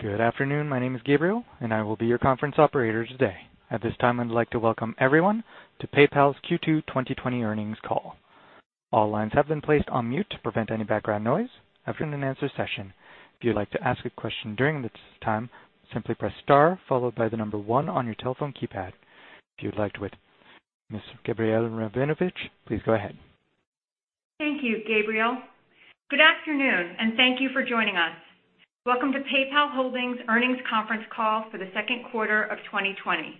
Good afternoon. My name is Gabriel. I will be your conference operator today. At this time, I'd like to welcome everyone to PayPal's Q2 2020 earnings call. All lines have been placed on mute to prevent any background noise. After an answer session, if you'd like to ask a question during this time, simply press star followed by the number one on your telephone keypad. Ms. Gabrielle Rabinovitch, please go ahead. Thank you, Gabriel. Good afternoon, and thank you for joining us. Welcome to PayPal Holdings earnings conference call for the second quarter of 2020.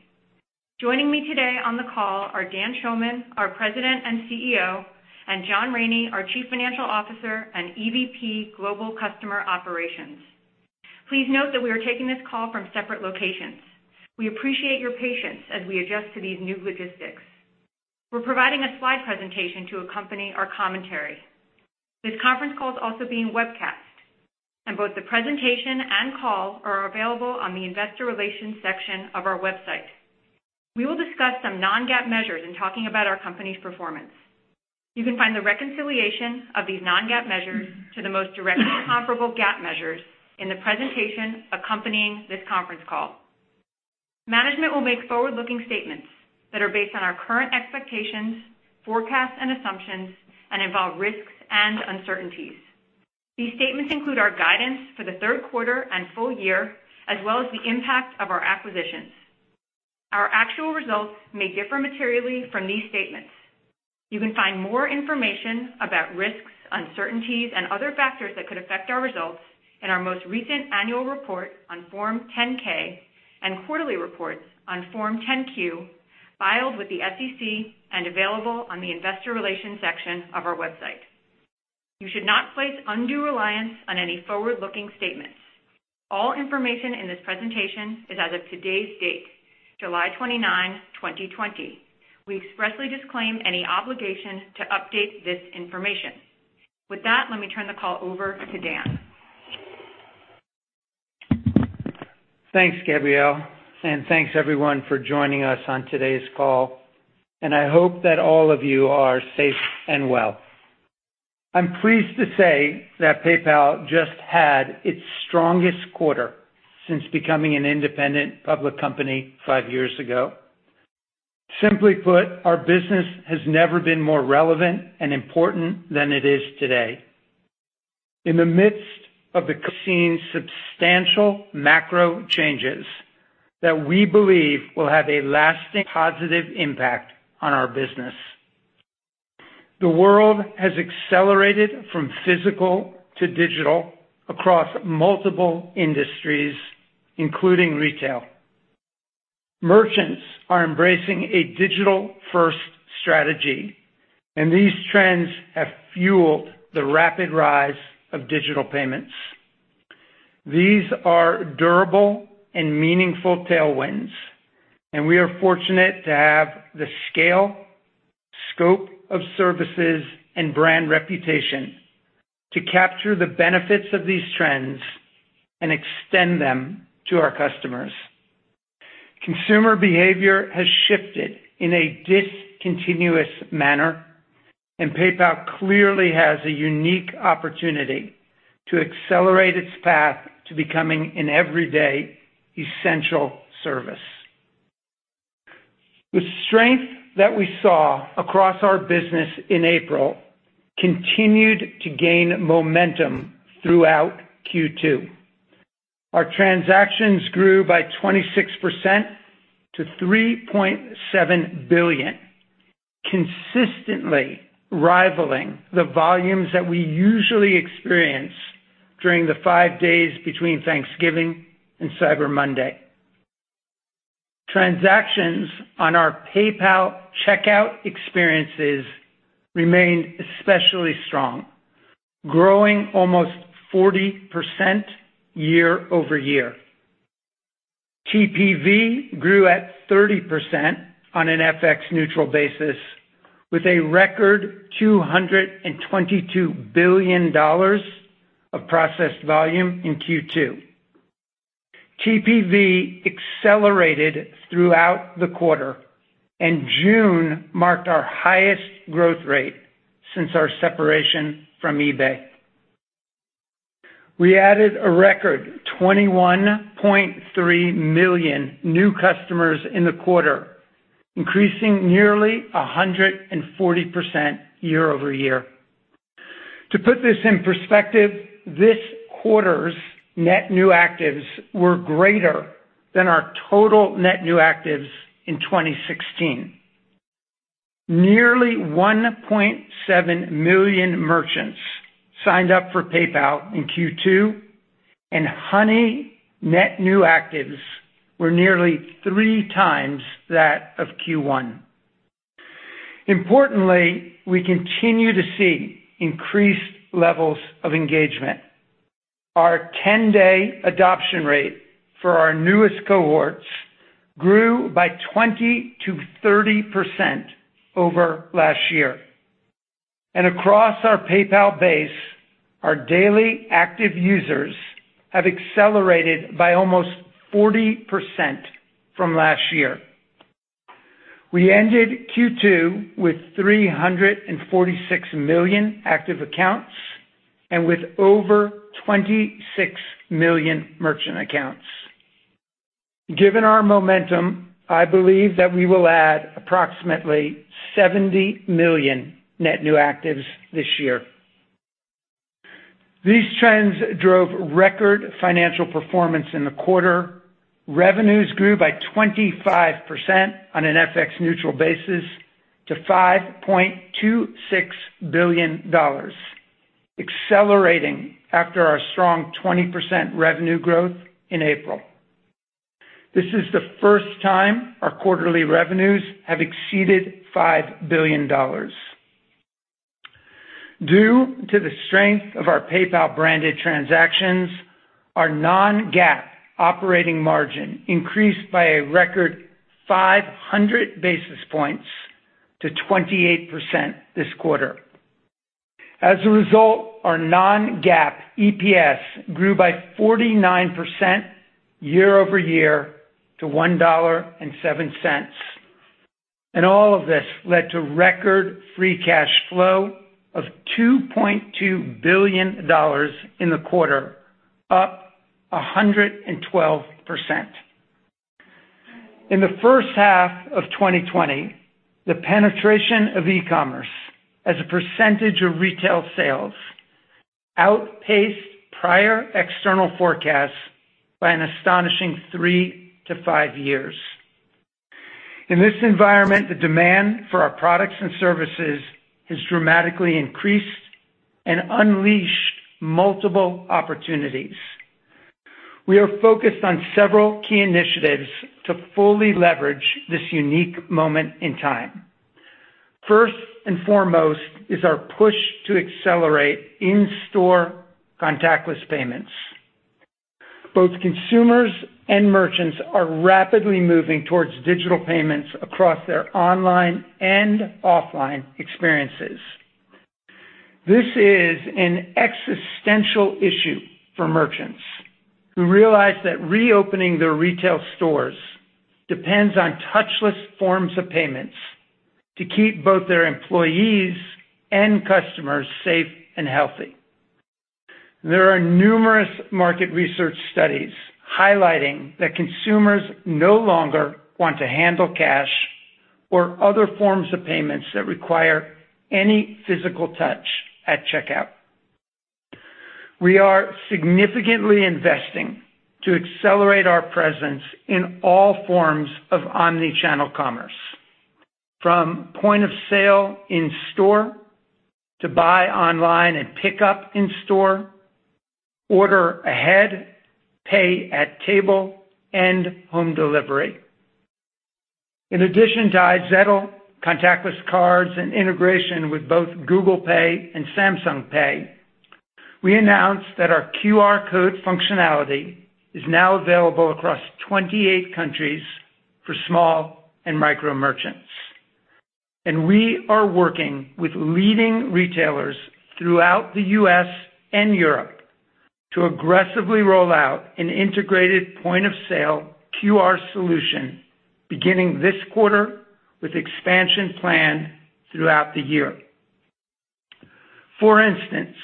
Joining me today on the call are Dan Schulman, our President and CEO, and John Rainey, our Chief Financial Officer and EVP Global Customer Operations. Please note that we are taking this call from separate locations. We appreciate your patience as we adjust to these new logistics. We're providing a slide presentation to accompany our commentary. This conference call is also being webcast, and both the presentation and call are available on the investor relations section of our website. We will discuss some non-GAAP measures in talking about our company's performance. You can find the reconciliation of these non-GAAP measures to the most directly comparable GAAP measures in the presentation accompanying this conference call. Management will make forward-looking statements that are based on our current expectations, forecasts, and assumptions, and involve risks and uncertainties. These statements include our guidance for the third quarter and full year, as well as the impact of our acquisitions. Our actual results may differ materially from these statements. You can find more information about risks, uncertainties, and other factors that could affect our results in our most recent annual report on Form 10-K and quarterly reports on Form 10-Q filed with the SEC and available on the investor relations section of our website. You should not place undue reliance on any forward-looking statements. All information in this presentation is as of today's date, July 29, 2020. We expressly disclaim any obligation to update this information. With that, let me turn the call over to Dan. Thanks, Gabrielle. Thanks everyone for joining us on today's call. I hope that all of you are safe and well. I'm pleased to say that PayPal just had its strongest quarter since becoming an independent public company five years ago. Simply put, our business has never been more relevant and important than it is today. In the midst of these substantial macro changes that we believe will have a lasting positive impact on our business. The world has accelerated from physical to digital across multiple industries, including retail. Merchants are embracing a digital-first strategy. These trends have fueled the rapid rise of digital payments. These are durable and meaningful tailwinds. We are fortunate to have the scale, scope of services, and brand reputation to capture the benefits of these trends and extend them to our customers. Consumer behavior has shifted in a discontinuous manner. PayPal clearly has a unique opportunity to accelerate its path to becoming an everyday essential service. The strength that we saw across our business in April continued to gain momentum throughout Q2. Our transactions grew by 26% to 3.7 billion, consistently rivaling the volumes that we usually experience during the five days between Thanksgiving and Cyber Monday. Transactions on our PayPal checkout experiences remained especially strong, growing almost 40% year-over-year. TPV grew at 30% on an FX neutral basis with a record $222 billion of processed volume in Q2. TPV accelerated throughout the quarter, and June marked our highest growth rate since our separation from eBay. We added a record 21.3 million new customers in the quarter, increasing nearly 140% year-over-year. To put this in perspective, this quarter's net new actives were greater than our total net new actives in 2016. Nearly 1.7 million merchants signed up for PayPal in Q2. Honey net new actives were nearly three times that of Q1. Importantly, we continue to see increased levels of engagement. Our 10-day adoption rate for our newest cohorts grew by 20%-30% over last year. Across our PayPal base, our daily active users have accelerated by almost 40% from last year. We ended Q2 with 346 million active accounts and with over 26 million merchant accounts. Given our momentum, I believe that we will add approximately 70 million net new actives this year. These trends drove record financial performance in the quarter. Revenues grew by 25% on an FX neutral basis to $5.26 billion, accelerating after our strong 20% revenue growth in April. This is the first time our quarterly revenues have exceeded $5 billion. Due to the strength of our PayPal-branded transactions, our non-GAAP operating margin increased by a record 500 basis points to 28% this quarter. As a result, our non-GAAP EPS grew by 49% year-over-year to $1.07. All of this led to record free cash flow of $2.2 billion in the quarter, up 112%. In the first half of 2020, the penetration of e-commerce as a percentage of retail sales outpaced prior external forecasts by an astonishing three to five years. In this environment, the demand for our products and services has dramatically increased and unleashed multiple opportunities. We are focused on several key initiatives to fully leverage this unique moment in time. First and foremost is our push to accelerate in-store contactless payments. Both consumers and merchants are rapidly moving towards digital payments across their online and offline experiences. This is an existential issue for merchants who realize that reopening their retail stores depends on touchless forms of payments to keep both their employees and customers safe and healthy. There are numerous market research studies highlighting that consumers no longer want to handle cash or other forms of payments that require any physical touch at checkout. We are significantly investing to accelerate our presence in all forms of omni-channel commerce, from point of sale in store to buy online and pickup in store, order ahead, pay at table, and home delivery. In addition to iZettle, contactless cards, and integration with both Google Pay and Samsung Pay, we announced that our QR code functionality is now available across 28 countries for small and micro merchants. We are working with leading retailers throughout the U.S. and Europe to aggressively roll out an integrated point-of-sale QR solution beginning this quarter, with expansion planned throughout the year. For instance,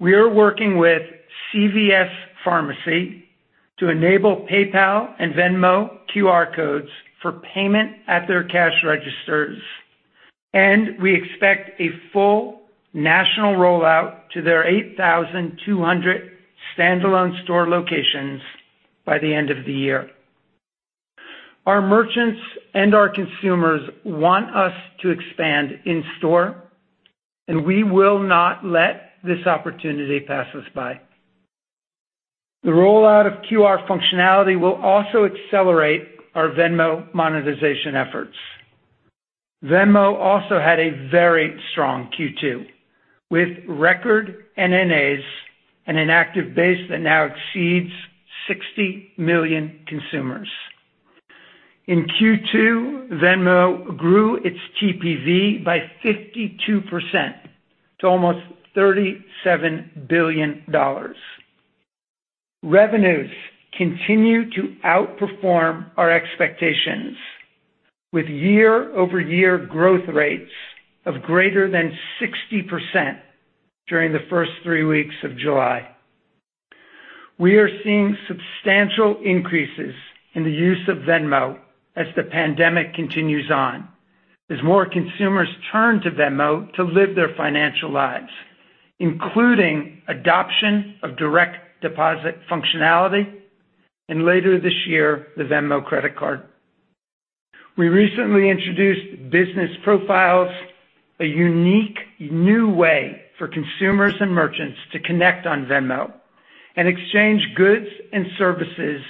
we are working with CVS Pharmacy to enable PayPal and Venmo QR codes for payment at their cash registers, and we expect a full national rollout to their 8,200 standalone store locations by the end of the year. Our merchants and our consumers want us to expand in store, and we will not let this opportunity pass us by. The rollout of QR functionality will also accelerate our Venmo monetization efforts. Venmo also had a very strong Q2, with record NNAs and an active base that now exceeds 60 million consumers. In Q2, Venmo grew its TPV by 52% to almost $37 billion. Revenues continue to outperform our expectations, with year-over-year growth rates of greater than 60% during the first three weeks of July. We are seeing substantial increases in the use of Venmo as the pandemic continues on, as more consumers turn to Venmo to live their financial lives, including adoption of direct deposit functionality and later this year, the Venmo Credit Card. We recently introduced business profiles, a unique new way for consumers and merchants to connect on Venmo and exchange goods and services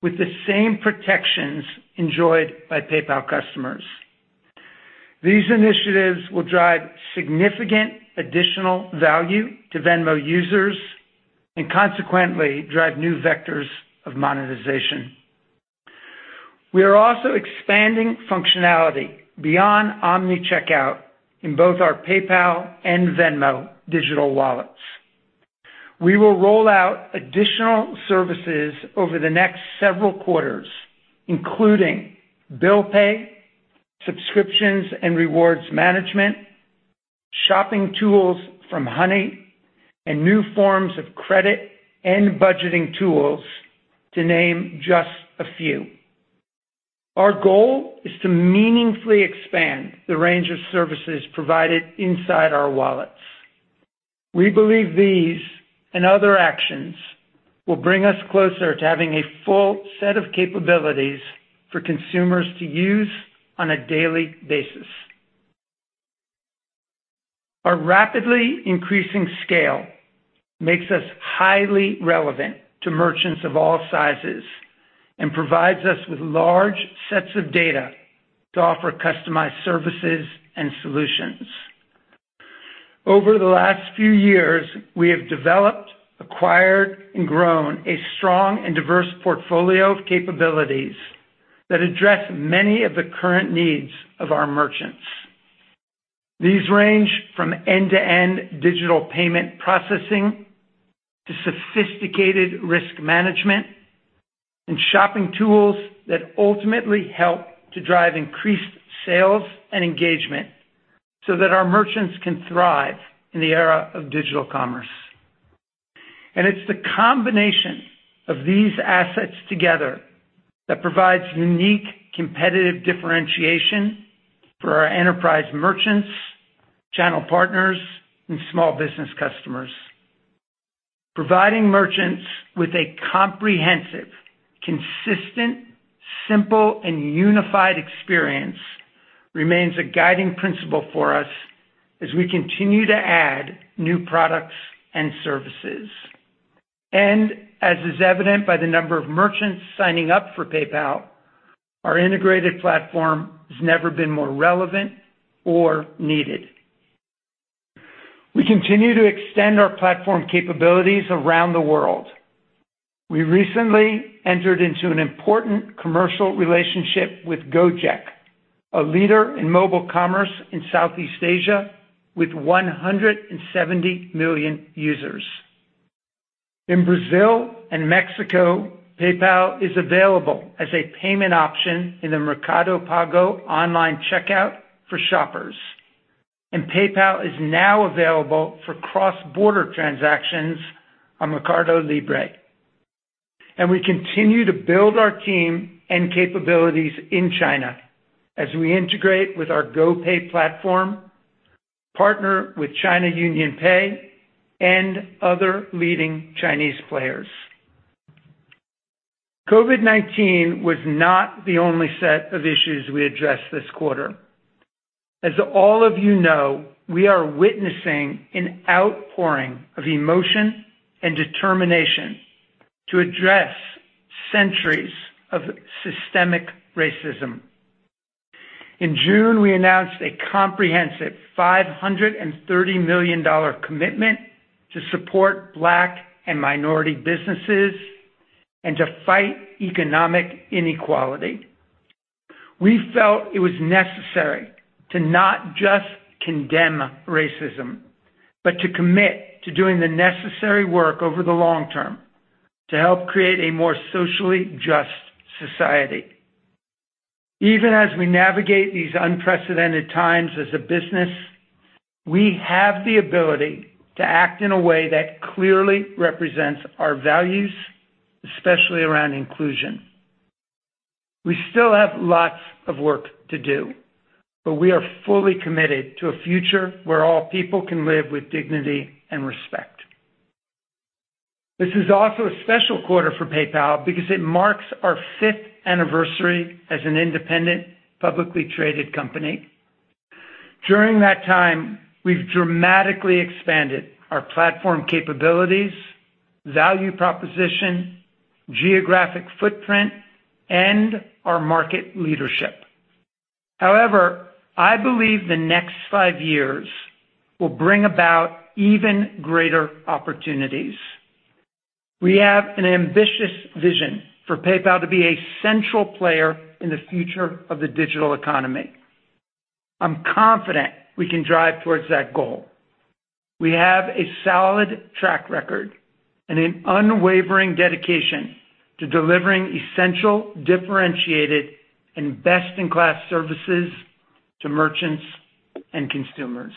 with the same protections enjoyed by PayPal customers. These initiatives will drive significant additional value to Venmo users and consequently drive new vectors of monetization. We are also expanding functionality beyond omni checkout in both our PayPal and Venmo digital wallets. We will roll out additional services over the next several quarters, including bill pay, subscriptions and rewards management, shopping tools from Honey, and new forms of credit and budgeting tools, to name just a few. Our goal is to meaningfully expand the range of services provided inside our wallets. We believe these and other actions will bring us closer to having a full set of capabilities for consumers to use on a daily basis. Our rapidly increasing scale makes us highly relevant to merchants of all sizes, and provides us with large sets of data to offer customized services and solutions. Over the last few years, we have developed, acquired, and grown a strong and diverse portfolio of capabilities that address many of the current needs of our merchants. These range from end-to-end digital payment processing to sophisticated risk management and shopping tools that ultimately help to drive increased sales and engagement so that our merchants can thrive in the era of digital commerce. It's the combination of these assets together that provides unique competitive differentiation for our enterprise merchants, channel partners, and small business customers. Providing merchants with a comprehensive, consistent, simple, and unified experience remains a guiding principle for us as we continue to add new products and services. As is evident by the number of merchants signing up for PayPal, our integrated platform has never been more relevant or needed. We continue to extend our platform capabilities around the world. We recently entered into an important commercial relationship with Gojek, a leader in mobile commerce in Southeast Asia, with 170 million users. In Brazil and Mexico, PayPal is available as a payment option in the Mercado Pago online checkout for shoppers, PayPal is now available for cross-border transactions on Mercado Libre. We continue to build our team and capabilities in China as we integrate with our GoPay platform, partner with China UnionPay, and other leading Chinese players. COVID-19 was not the only set of issues we addressed this quarter. As all of you know, we are witnessing an outpouring of emotion and determination to address centuries of systemic racism. In June, we announced a comprehensive $530 million commitment to support Black and minority businesses and to fight economic inequality. We felt it was necessary to not just condemn racism, but to commit to doing the necessary work over the long term to help create a more socially just society. Even as we navigate these unprecedented times as a business, we have the ability to act in a way that clearly represents our values, especially around inclusion. We still have lots of work to do, but we are fully committed to a future where all people can live with dignity and respect. This is also a special quarter for PayPal because it marks our fifth anniversary as an independent, publicly traded company. During that time, we've dramatically expanded our platform capabilities, value proposition, geographic footprint, and our market leadership. I believe the next five years will bring about even greater opportunities. We have an ambitious vision for PayPal to be a central player in the future of the digital economy. I'm confident we can drive towards that goal. We have a solid track record and an unwavering dedication to delivering essential, differentiated, and best-in-class services to merchants and consumers.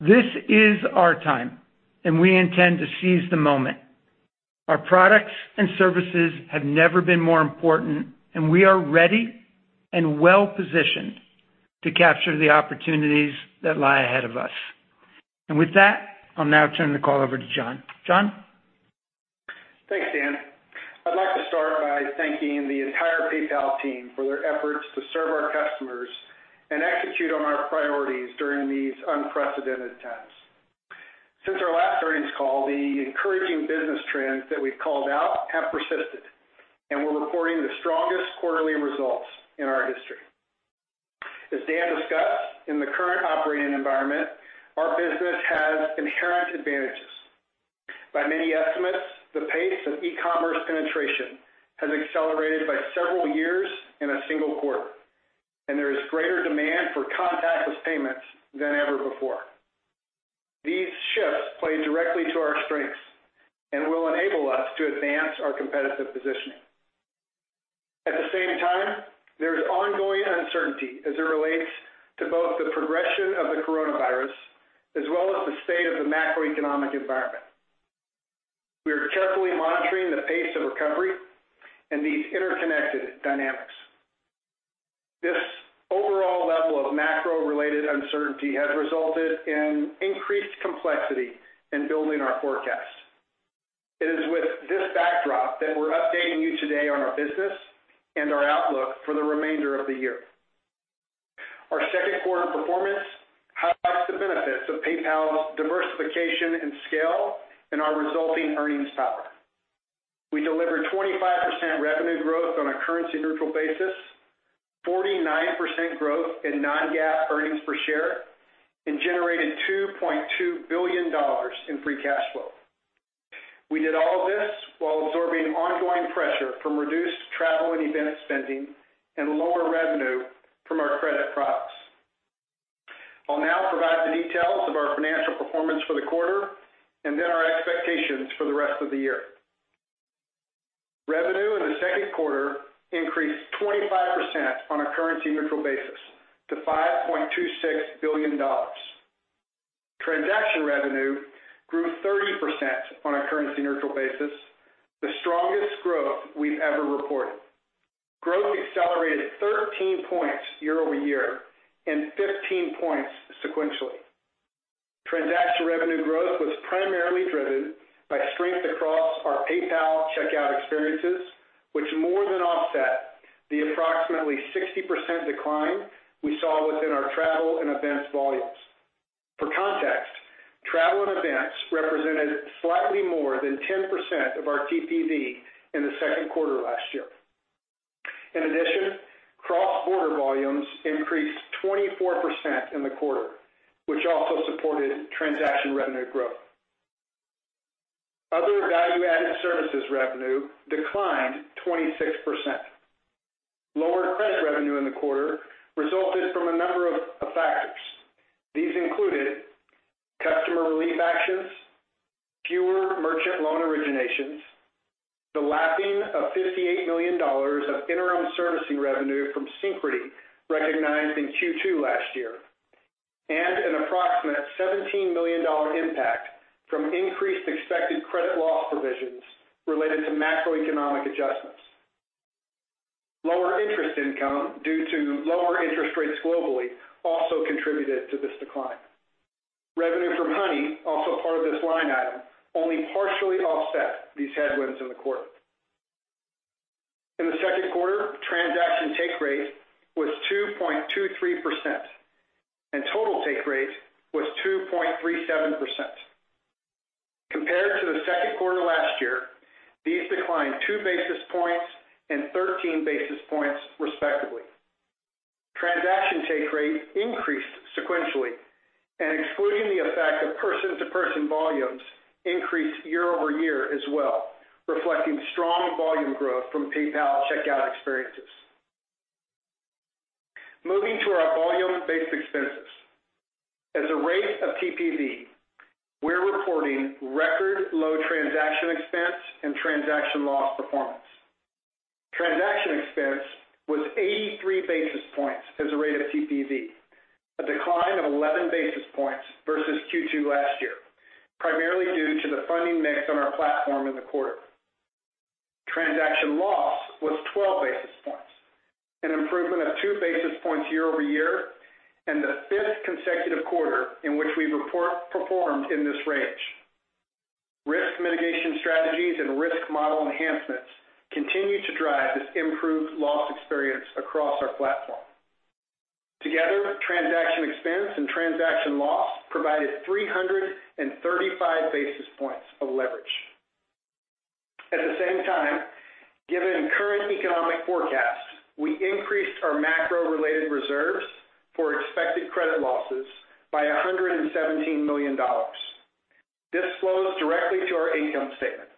This is our time, and we intend to seize the moment. Our products and services have never been more important, and we are ready and well-positioned to capture the opportunities that lie ahead of us. With that, I'll now turn the call over to John. John? Thanks, Dan. I'd like to start by thanking the entire PayPal team for their efforts to serve our customers and execute on our priorities during these unprecedented times. Since our last earnings call, the encouraging business trends that we called out have persisted, and we're reporting the strongest quarterly results in our history. As Dan discussed, in the current operating environment, our business has inherent advantages. By many estimates, the pace of e-commerce penetration has accelerated by several years in a single quarter. There is greater demand for contactless payments than ever before. These shifts play directly to our strengths and will enable us to advance our competitive positioning. At the same time, there is ongoing uncertainty as it relates to both the progression of the coronavirus, as well as the state of the macroeconomic environment. We are carefully monitoring the pace of recovery and these interconnected dynamics. This overall level of macro-related uncertainty has resulted in increased complexity in building our forecasts. It is with this backdrop that we're updating you today on our business and our outlook for the remainder of the year. Our second quarter performance highlights the benefits of PayPal's diversification and scale and our resulting earnings power. We delivered 25% revenue growth on a currency-neutral basis, 49% growth in non-GAAP earnings per share, and generated $2.2 billion in free cash flow. We did all of this while absorbing ongoing pressure from reduced travel and event spending and lower revenue from our credit products. I'll now provide the details of our financial performance for the quarter and then our expectations for the rest of the year. Revenue in the second quarter increased 25% on a currency-neutral basis to $5.26 billion. Transaction revenue grew 30% on a currency-neutral basis, the strongest growth we've ever reported. Growth accelerated 13 points year-over-year and 15 points sequentially. Transaction revenue growth was primarily driven by strength across our PayPal checkout experiences, which more than offset the approximately 60% decline we saw within our travel and events volumes. For context, travel and events represented slightly more than 10% of our TPV in the second quarter last year. In addition, cross-border volumes increased 24% in the quarter, which also supported transaction revenue growth. Other value-added services revenue declined 26%. Lower credit revenue in the quarter resulted from a number of factors. These included customer relief actions, fewer merchant loan originations, the lapping of $58 million of interim servicing revenue from Synchrony recognized in Q2 last year, and an approximate $17 million impact from increased expected credit loss provisions related to macroeconomic adjustments. Lower interest income due to lower interest rates globally also contributed to this decline. Revenue from Honey, also part of this line item, only partially offset these headwinds in the quarter. In the second quarter, transaction take rate was 2.23%, and total take rate was 2.37%. Compared to the second quarter last year, these declined two basis points and 13 basis points respectively. Transaction take rate increased sequentially and excluding the effect of person-to-person volumes increased year-over-year as well, reflecting strong volume growth from PayPal checkout experiences. Moving to our volume-based expenses. As a rate of TPV, we're recording record low transaction expense and transaction loss performance. Transaction expense was 83 basis points as a rate of TPV, a decline of 11 basis points versus Q2 last year, primarily due to the funding mix on our platform in the quarter. Transaction loss was 12 basis points, an improvement of two basis points year-over-year and the fifth consecutive quarter in which we've performed in this range. Risk mitigation strategies and risk model enhancements continue to drive this improved loss experience across our platform. Together, transaction expense and transaction loss provided 335 basis points of leverage. At the same time, given current economic forecasts, we increased our macro-related reserves for expected credit losses by $117 million. This flows directly to our income statement,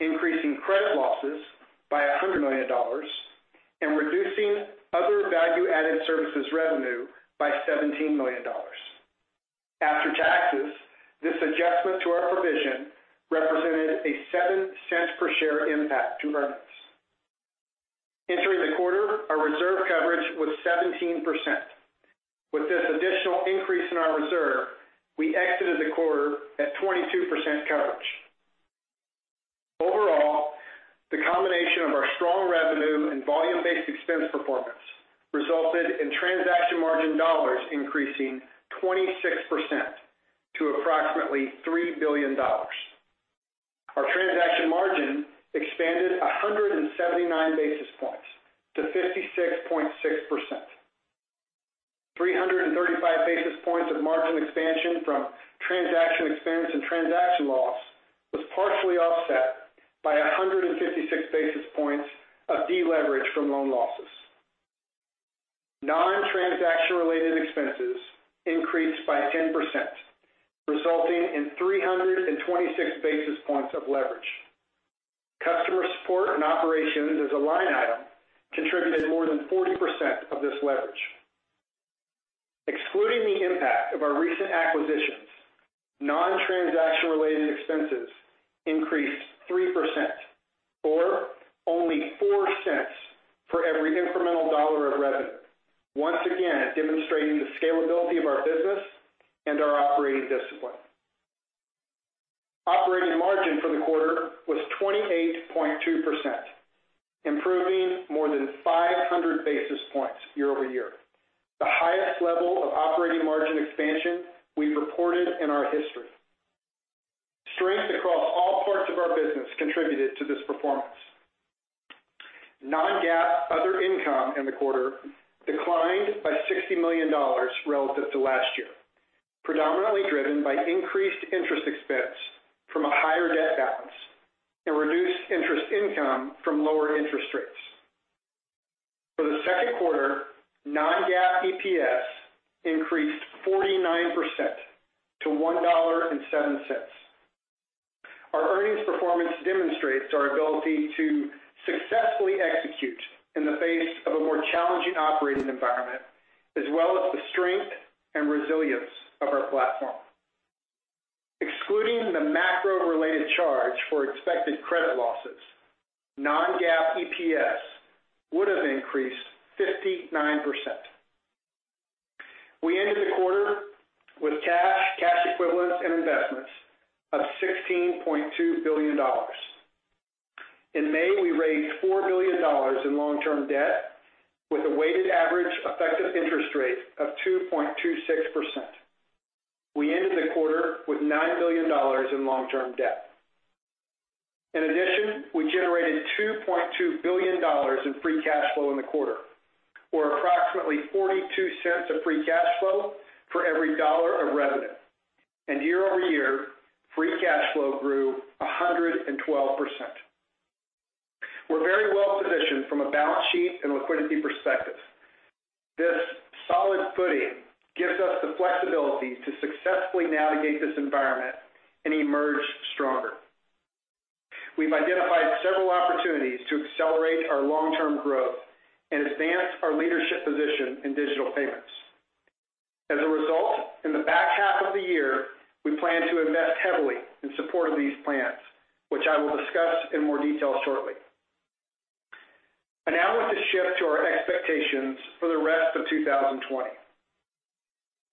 increasing credit losses by $100 million and reducing other value-added services revenue by $17 million. After taxes, this adjustment to our provision represented a $0.07 per share impact to earnings. Entering the quarter, our reserve coverage was 17%. With this additional increase in our reserve, we exited the quarter at 22% coverage. Overall, the combination of our strong revenue and volume-based expense performance resulted in transaction margin dollars increasing 26% to approximately $3 billion. Our transaction margin expanded 179 basis points to 56.6%. 335 basis points of margin expansion from transaction expense and transaction loss was partially offset by 156 basis points of deleverage from loan losses. Non-transaction related expenses increased by 10%, resulting in 326 basis points of leverage. Customer support and operations as a line item contributed more than 40% of this leverage. Excluding the impact of our recent acquisitions, non-transaction related expenses increased 3% or only $0.04 for every incremental dollar of revenue, once again demonstrating the scalability of our business and our operating discipline. Operating margin for the quarter was 28.2%, improving more than 500 basis points year-over-year, the highest level of operating margin expansion we've reported in our history. Strength across all parts of our business contributed to this performance. Non-GAAP other income in the quarter declined by $60 million relative to last year, predominantly driven by increased interest expense from a higher debt balance and reduced interest income from lower interest rates. For the second quarter, non-GAAP EPS increased 49% to $1.07. Our earnings performance demonstrates our ability to successfully execute in the face of a more challenging operating environment, as well as the strength and resilience of our platform. Excluding the macro-related charge for expected credit losses, non-GAAP EPS would have increased 59%. We ended the quarter with cash equivalents, and investments of $16.2 billion. In May, we raised $4 billion in long-term debt with a weighted average effective interest rate of 2.26%. We ended the quarter with $9 billion in long-term debt. We generated $2.2 billion in free cash flow in the quarter, or approximately $0.42 of free cash flow for every dollar of revenue. Year-over-year, free cash flow grew 112%. We're very well-positioned from a balance sheet and liquidity perspective. This solid footing gives us the flexibility to successfully navigate this environment and emerge stronger. We've identified several opportunities to accelerate our long-term growth and advance our leadership position in digital payments. In the back half of the year, we plan to invest heavily in support of these plans, which I will discuss in more detail shortly. I now want to shift to our expectations for the rest of 2020.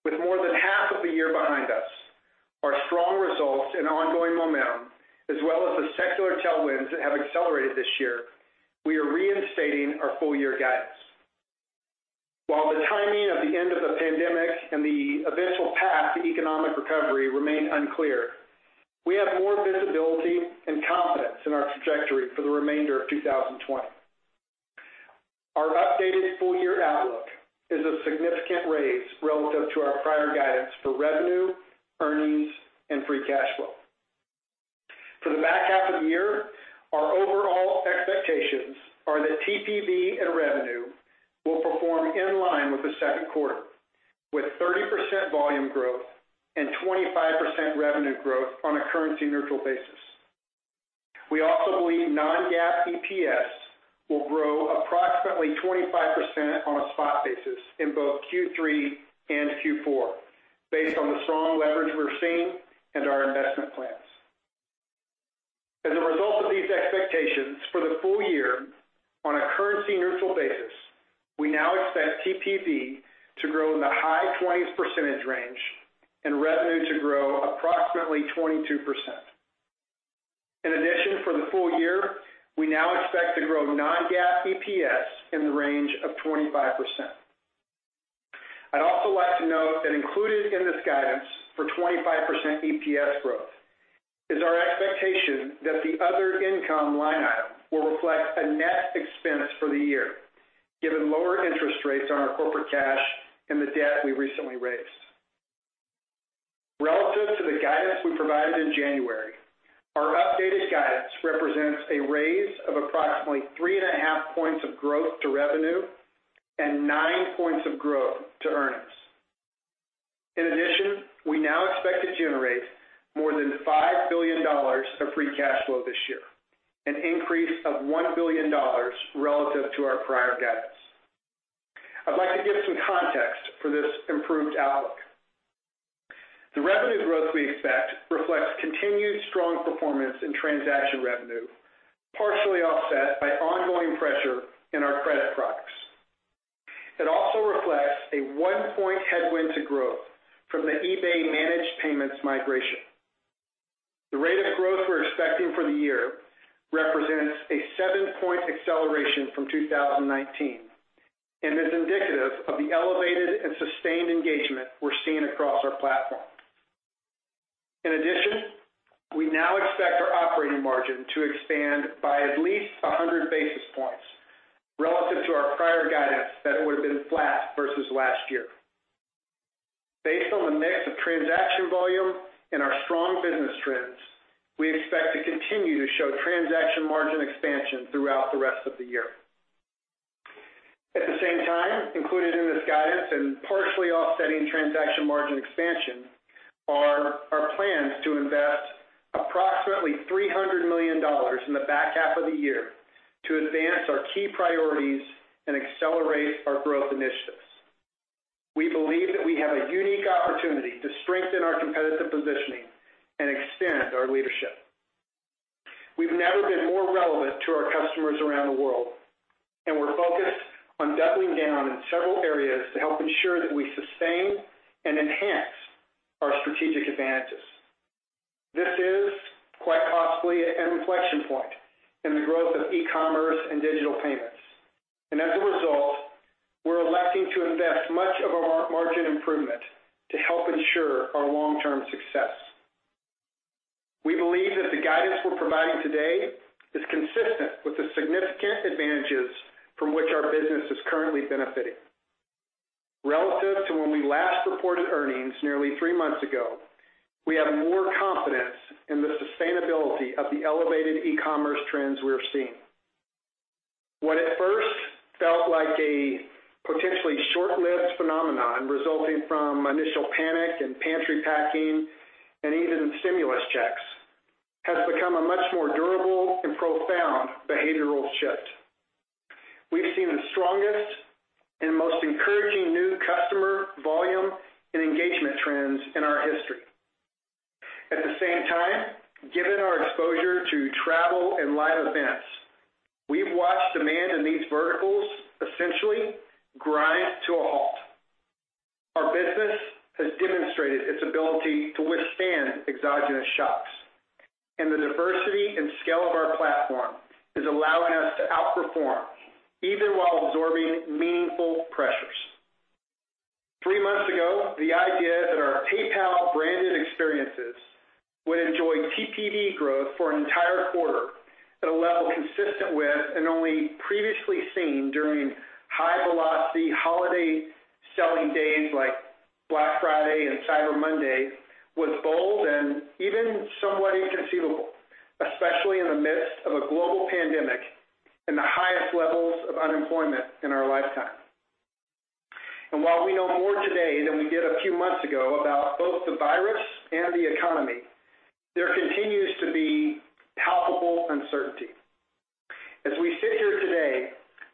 With more than half of the year behind us, our strong results and ongoing momentum, as well as the secular tailwinds that have accelerated this year, we are reinstating our full-year guidance. While the timing of the end of the pandemic and the eventual path to economic recovery remain unclear, we have more visibility and confidence in our trajectory for the remainder of 2020. Our updated full-year outlook is a significant raise relative to our prior guidance for revenue, earnings, and free cash flow. For the back half of the year, our overall expectations are that TPV and revenue will perform in line with the second quarter, with 30% volume growth and 25% revenue growth on a currency neutral basis. We also believe non-GAAP EPS will grow approximately 25% on a spot basis in both Q3 and Q4, based on the strong leverage we're seeing and our investment plans. As a result of these expectations for the full year, on a currency neutral basis, we now expect TPV to grow in the high 20s percentage range and revenue to grow approximately 22%. For the full year, we now expect to grow non-GAAP EPS in the range of 25%. I'd also like to note that included in this guidance for 25% EPS growth is our expectation that the other income line item will reflect a net expense for the year, given lower interest rates on our corporate cash and the debt we recently raised. Relative to the guidance we provided in January, our updated guidance represents a raise of approximately 3.5 points of growth to revenue and nine points of growth to earnings. We now expect to generate more than $5 billion of free cash flow this year, an increase of $1 billion relative to our prior guidance. I'd like to give some context for this improved outlook. The revenue growth we expect reflects continued strong performance in transaction revenue, partially offset by ongoing pressure in our credit products. It also reflects a one-point headwind to growth from the eBay Managed Payments migration. The rate of growth we're expecting for the year represents a seven-point acceleration from 2019 and is indicative of the elevated and sustained engagement we're seeing across our platform. We now expect our operating margin to expand by at least 100 basis points relative to our prior guidance that it would have been flat versus last year. Based on the mix of transaction volume and our strong Business-Trends, we expect to continue to show transaction margin expansion throughout the rest of the year. At the same time, included in this guidance and partially offsetting transaction margin expansion are our plans to invest approximately $300 million in the back half of the year to advance our key priorities and accelerate our growth initiatives. We believe that we have a unique opportunity to strengthen our competitive positioning and extend our leadership. We've never been more relevant to our customers around the world, and we're focused on doubling down in several areas to help ensure that we sustain and enhance our strategic advantages. This is quite possibly an inflection point in the growth of e-commerce and digital payments, and as a result, we're electing to invest much of our margin improvement to help ensure our long-term success. We believe that the guidance we're providing today is consistent with the significant advantages from which our business is currently benefiting. Relative to when we last reported earnings nearly three months ago, we have more confidence in the sustainability of the elevated e-commerce trends we are seeing. What at first felt like a potentially short-lived phenomenon resulting from initial panic and pantry packing and even stimulus checks, has become a much more durable and profound behavioral shift. We've seen the strongest and most encouraging new customer volume and engagement trends in our history. At the same time, given our exposure to travel and live events, we've watched demand in these verticals essentially grind to a halt. Our business has demonstrated its ability to withstand exogenous shocks, and the diversity and scale of our platform is allowing us to outperform, even while absorbing meaningful pressures. Three months ago, the idea that our PayPal-branded experiences would enjoy TPV growth for an entire quarter at a level consistent with and only previously seen during high-velocity holiday selling days like Black Friday and Cyber Monday was bold and even somewhat inconceivable, especially in the midst of a global pandemic and the highest levels of unemployment in our lifetime. While we know more today than we did a few months ago about both the virus and the economy, there continues to be palpable uncertainty. As we sit here today,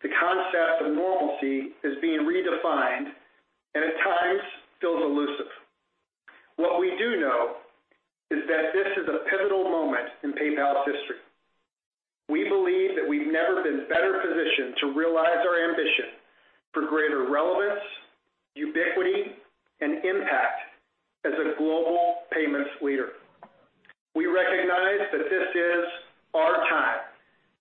the concept of normalcy is being redefined and at times feels elusive. What we do know is that this is a pivotal moment in PayPal's history. We believe that we've never been better positioned to realize our ambition for greater relevance, ubiquity, and impact as a global payments leader. We recognize that this is our time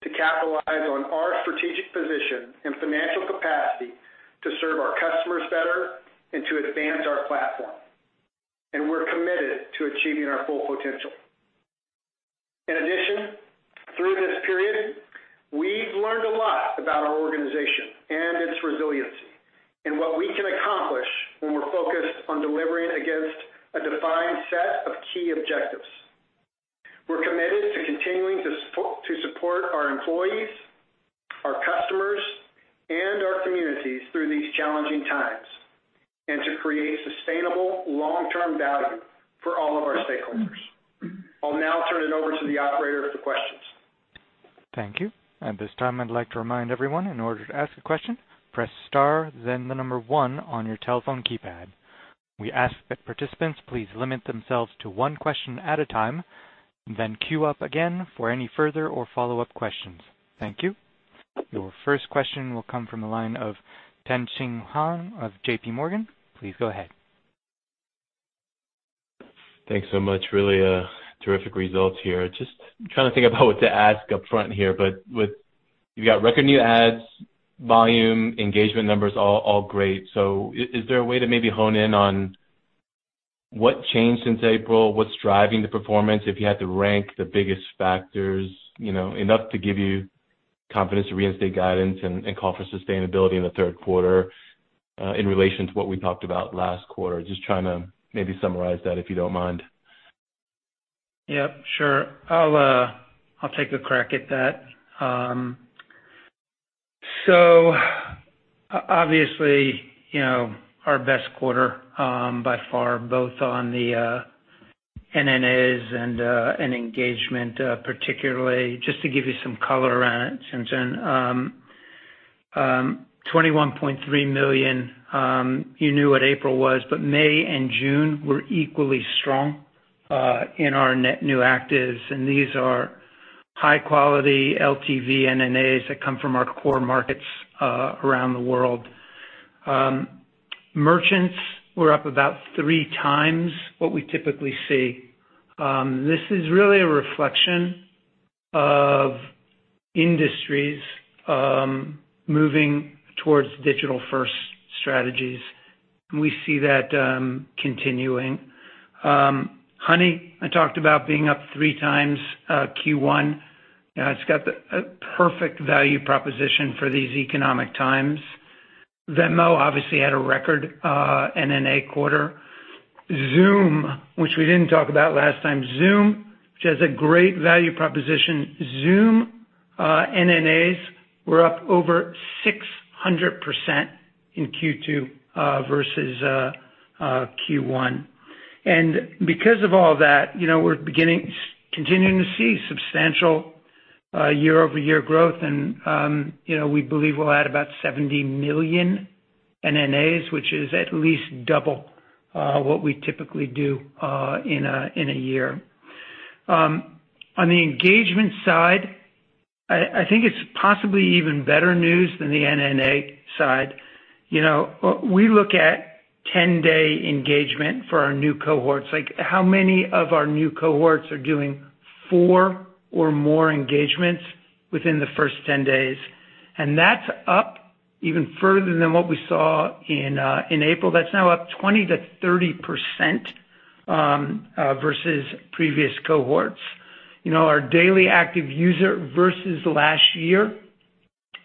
to capitalize on our strategic position and financial capacity to serve our customers better and to advance our platform. We're committed to achieving our full potential. In addition, through this period, we've learned a lot about our organization and its resiliency, and what we can accomplish when we're focused on delivering against a defined set of key objectives. We're committed to continuing to support our employees, our customers, and our communities through these challenging times, and to create sustainable long-term value for all of our stakeholders. I'll now turn it over to the operator for questions. Thank you. At this time, I'd like to remind everyone, in order to ask a question, press star then one on your telephone keypad. We ask that participants please limit themselves to one question at a time, then queue up again for any further or follow-up questions. Thank you. Your first question will come from the line of Tien-tsin Huang of JPMorgan. Please go ahead. Thanks so much. Really terrific results here. Just trying to think about what to ask upfront here, but you've got record new adds, volume, engagement numbers, all great. Is there a way to maybe hone in on what changed since April? What's driving the performance? If you had to rank the biggest factors, enough to give you confidence to reinstate guidance and call for sustainability in the third quarter in relation to what we talked about last quarter? Just trying to maybe summarize that, if you don't mind. Yeah, sure. I'll take a crack at that. Obviously, our best quarter by far, both on the NNAs and engagement, particularly. Just to give you some color around it, Tien-tsin. $21.3 million. You knew what April was, but May and June were equally strong in our net new actives, and these are high-quality LTV NNAs that come from our core markets around the world. Merchants were up about three times what we typically see. This is really a reflection of industries moving towards digital-first strategies, and we see that continuing. Honey, I talked about being up three times Q1. It's got the perfect value proposition for these economic times. Venmo obviously had a record NNA quarter. Xoom, which we didn't talk about last time. Xoom, which has a great value proposition. Xoom NNAs were up over 600% in Q2 versus Q1. Because of all that, we're continuing to see substantial year-over-year growth. We believe we'll add about 70 million NNAs, which is at least double what we typically do in a year. On the engagement side, I think it's possibly even better news than the NNA side. We look at 10-day engagement for our new cohorts, like how many of our new cohorts are doing four or more engagements within the first 10 days, and that's up even further than what we saw in April. That's now up 20%-30% versus previous cohorts. Our daily active user versus last year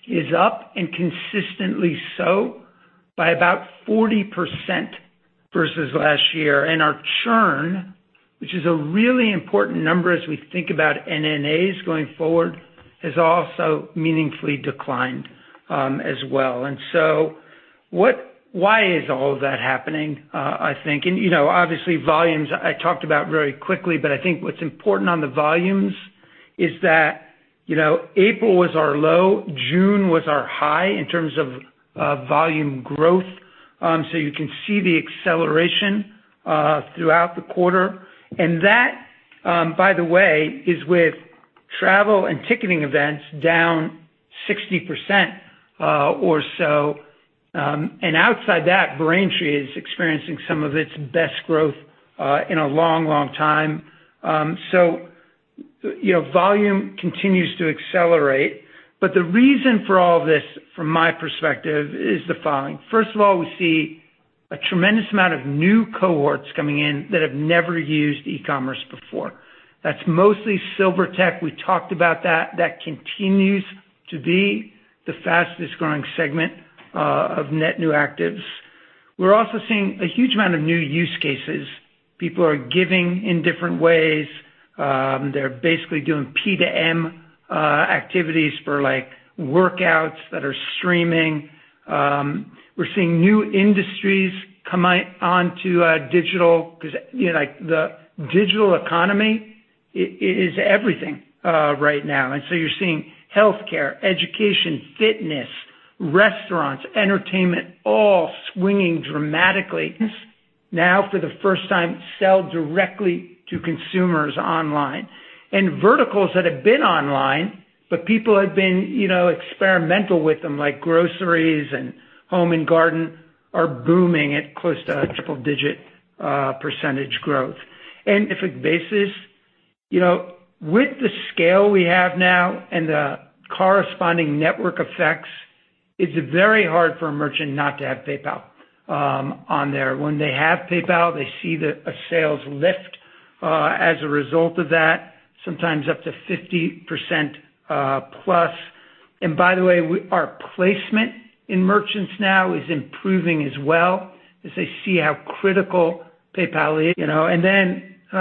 is up, and consistently so, by about 40% versus last year. Our churn, which is a really important number as we think about NNAs going forward, has also meaningfully declined as well. Why is all of that happening? I think, and obviously volumes I talked about very quickly, but I think what's important on the volumes is that April was our low, June was our high in terms of volume growth. You can see the acceleration throughout the quarter. That, by the way, is with travel and ticketing events down 60% or so. Outside that, Braintree is experiencing some of its best growth in a long, long time. Volume continues to accelerate. The reason for all this, from my perspective, is the following. First of all, we see a tremendous amount of new cohorts coming in that have never used e-commerce before. That's mostly silver tech. We talked about that. That continues to be the fastest-growing segment of net new actives. We're also seeing a huge amount of new use cases. People are giving in different ways. They're basically doing P2M activities for workouts that are streaming. We're seeing new industries come onto digital because the digital economy is everything right now. You're seeing healthcare, education, fitness, restaurants, entertainment, all swinging dramatically now for the first time sell directly to consumers online. Verticals that have been online, but people have been experimental with them, like groceries and home and garden, are booming at close to a triple-digit % growth. If a basis, with the scale we have now and the corresponding network effects, it's very hard for a merchant not to have PayPal on there. When they have PayPal, they see a sales lift as a result of that, sometimes up to 50%+. By the way, our placement in merchants now is improving as well as they see how critical PayPal is. Then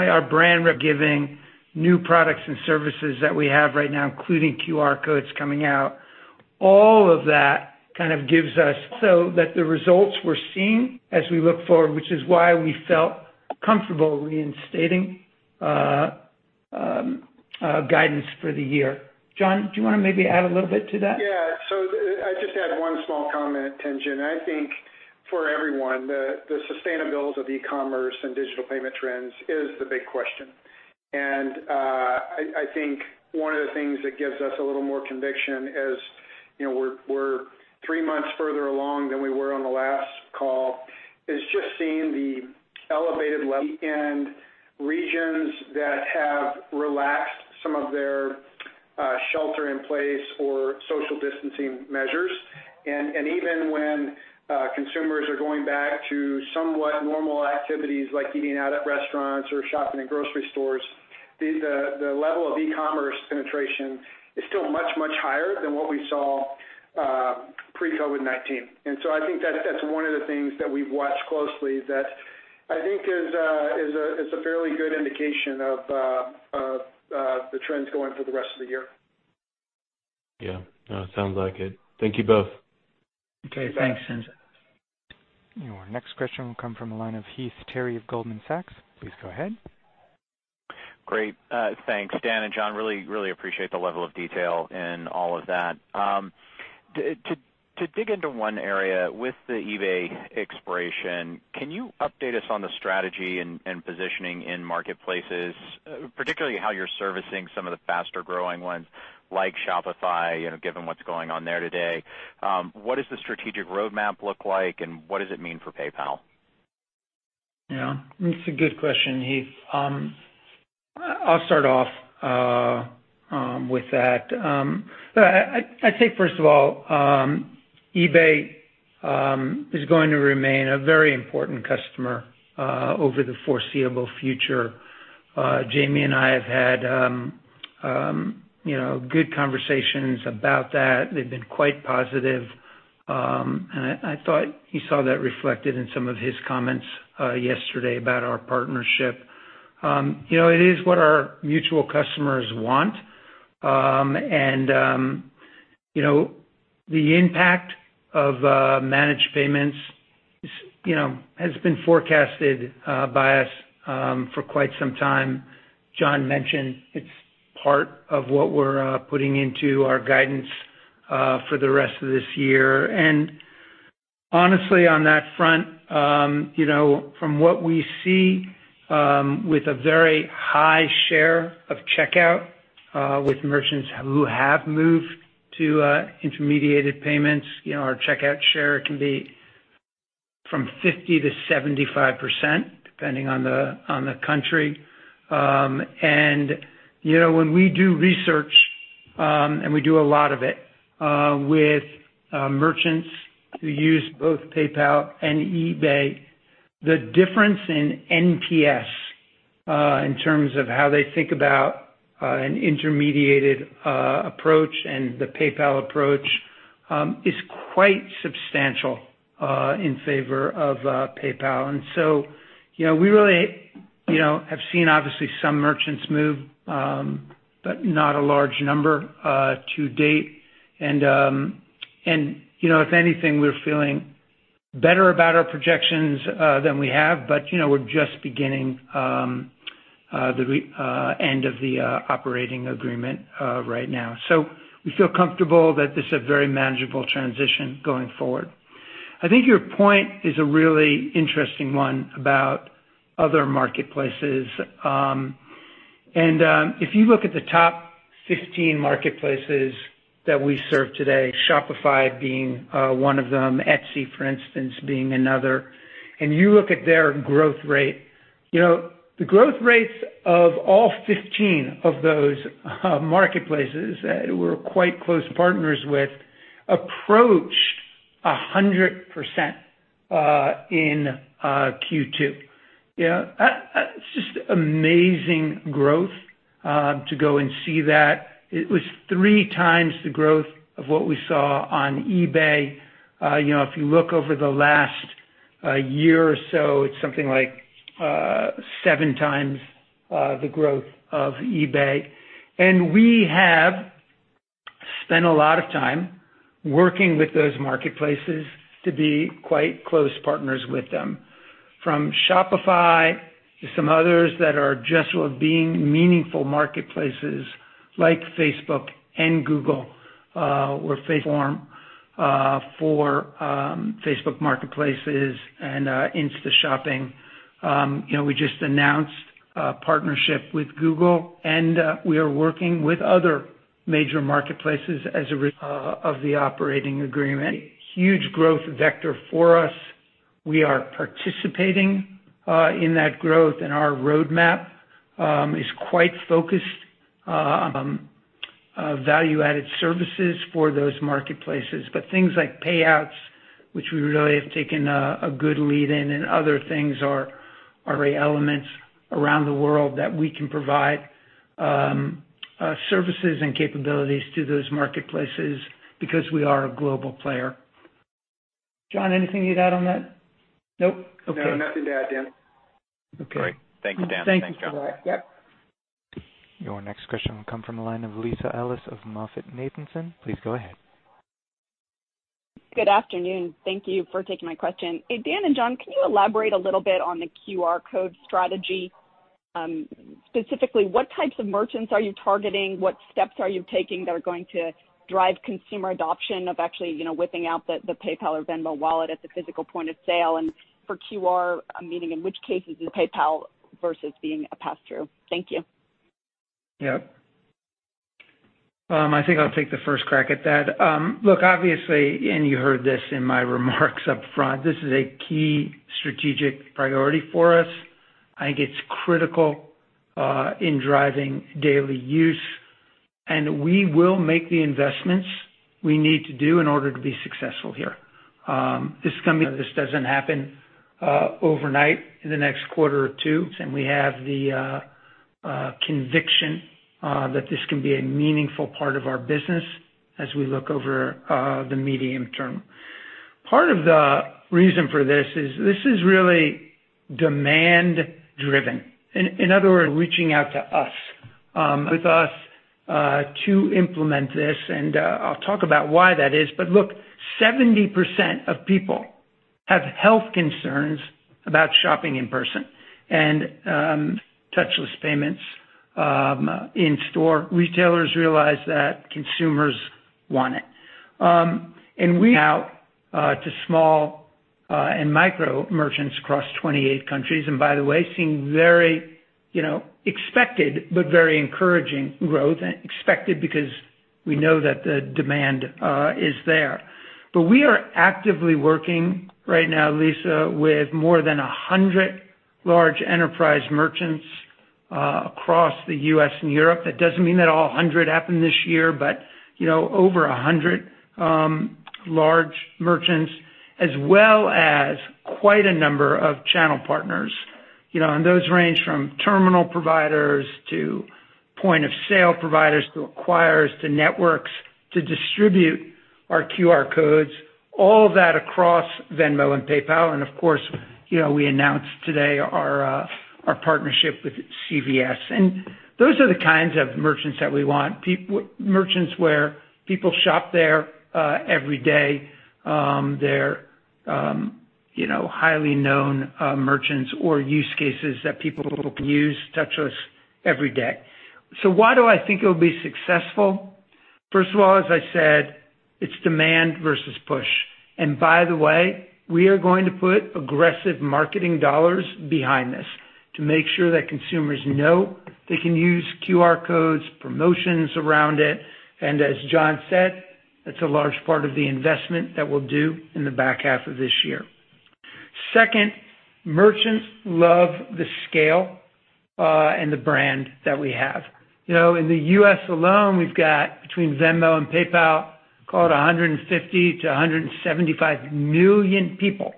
our brand giving new products and services that we have right now, including QR codes coming out. All of that kind of gives us so that the results we're seeing as we look forward, which is why we felt comfortable reinstating guidance for the year. John, do you want to maybe add a little bit to that? Yeah. I just had one small comment, Tien-tsin. I think for everyone, the sustainability of e-commerce and digital payment trends is the big question. I think one of the things that gives us a little more conviction, as we're three months further along than we were on the last call, is just seeing the elevated one and regions that have relaxed some of their shelter in place or social distancing measures. Even when consumers are going back to somewhat normal activities like eating out at restaurants or shopping in grocery stores, the level of e-commerce penetration is still much, much higher than what we saw pre-COVID-19. I think that's one of the things that we've watched closely that I think is a fairly good indication of the trends going for the rest of the year. Yeah. Sounds like it. Thank you both. Okay. Thanks, Tien-tsin. Your next question will come from the line of Heath Terry of Goldman Sachs. Please go ahead. Great. Thanks, Dan and John. Really, really appreciate the level of detail in all of that. To dig into one area with the eBay expiration, can you update us on the strategy and positioning in marketplaces, particularly how you're servicing some of the faster-growing ones like Shopify, given what's going on there today? What does the strategic roadmap look like, and what does it mean for PayPal? Yeah. It's a good question, Heath. I'll start off with that. I think first of all, eBay is going to remain a very important customer over the foreseeable future. Jamie and I have had good conversations about that. They've been quite positive. I thought you saw that reflected in some of his comments yesterday about our partnership. It is what our mutual customers want. The impact of managed payments has been forecasted by us for quite some time. John mentioned it's part of what we're putting into our guidance for the rest of this year. Honestly, on that front, from what we see with a very high share of checkout with merchants who have moved to intermediated payments, our checkout share can be from 50%-75%, depending on the country. When we do research, and we do a lot of it with merchants who use both PayPal and eBay, the difference in NPS in terms of how they think about an intermediated approach and the PayPal approach is quite substantial in favor of PayPal. So we really have seen obviously some merchants move, but not a large number to date. If anything, we're feeling better about our projections than we have, but we're just beginning the end of the operating agreement right now. We feel comfortable that this is a very manageable transition going forward. I think your point is a really interesting one about other marketplaces. If you look at the top 15 marketplaces that we serve today, Shopify being one of them, Etsy, for instance, being another, and you look at their growth rate. The growth rates of all 15 of those marketplaces that we're quite close partners with approached 100% in Q2. It's just amazing growth to go and see that. It was three times the growth of what we saw on eBay. If you look over the last year or so, it's something like seven times the growth of eBay. We have spent a lot of time working with those marketplaces to be quite close partners with them. From Shopify to some others that are just being meaningful marketplaces like Facebook and Google, where they form for Facebook marketplaces and Instagram shopping. We just announced a partnership with Google. We are working with other major marketplaces as a result of the operating agreement. Huge growth vector for us. We are participating in that growth, and our roadmap is quite focused on value-added services for those marketplaces. Things like payouts, which we really have taken a good lead in, and other things are elements around the world that we can provide services and capabilities to those marketplaces because we are a global player. John, anything you'd add on that? Nope? Okay. No, nothing to add, Dan. Okay. Great. Thank you, Dan. Thank you, John. Thank you for that. Yep. Your next question will come from the line of Lisa Ellis of MoffettNathanson. Please go ahead. Good afternoon. Thank you for taking my question. Dan and John, can you elaborate a little bit on the QR code strategy? Specifically, what types of merchants are you targeting? What steps are you taking that are going to drive consumer adoption of actually whipping out the PayPal or Venmo wallet at the physical point-of-sale and for QR, meaning in which cases is PayPal versus being a pass-through? Thank you. Yep. I think I'll take the first crack at that. Look, obviously, and you heard this in my remarks up front, this is a key strategic priority for us. I think it's critical in driving daily use, and we will make the investments we need to do in order to be successful here. This doesn't happen overnight in the next quarter or two, and we have the conviction that this can be a meaningful part of our business as we look over the medium term. Part of the reason for this is this is really demand-driven. In other words, reaching out to us, with us to implement this, and I'll talk about why that is. Look, 70% of people have health concerns about shopping in person and touchless payments in-store. Retailers realize that consumers want it. We are out to small and micro merchants across 28 countries, and by the way, seeing very expected but very encouraging growth. Expected because we know that the demand is there. We are actively working right now, Lisa, with more than 100 large enterprise merchants across the U.S. and Europe. That doesn't mean that all 100 happen this year, but over 100 large merchants. As well as quite a number of channel partners. Those range from terminal providers to point-of-sale providers, to acquirers, to networks to distribute our QR codes, all of that across Venmo and PayPal. Of course, we announced today our partnership with CVS. Those are the kinds of merchants that we want. Merchants where people shop there every day. They're highly known merchants or use cases that people can use touchless every day. Why do I think it'll be successful? First of all, as I said, it's demand versus push. By the way, we are going to put aggressive marketing dollars behind this to make sure that consumers know they can use QR codes, promotions around it. As John said, that's a large part of the investment that we'll do in the back half of this year. Second, merchants love the scale and the brand that we have. In the U.S. alone, we've got between Venmo and PayPal, call it 150-175 million people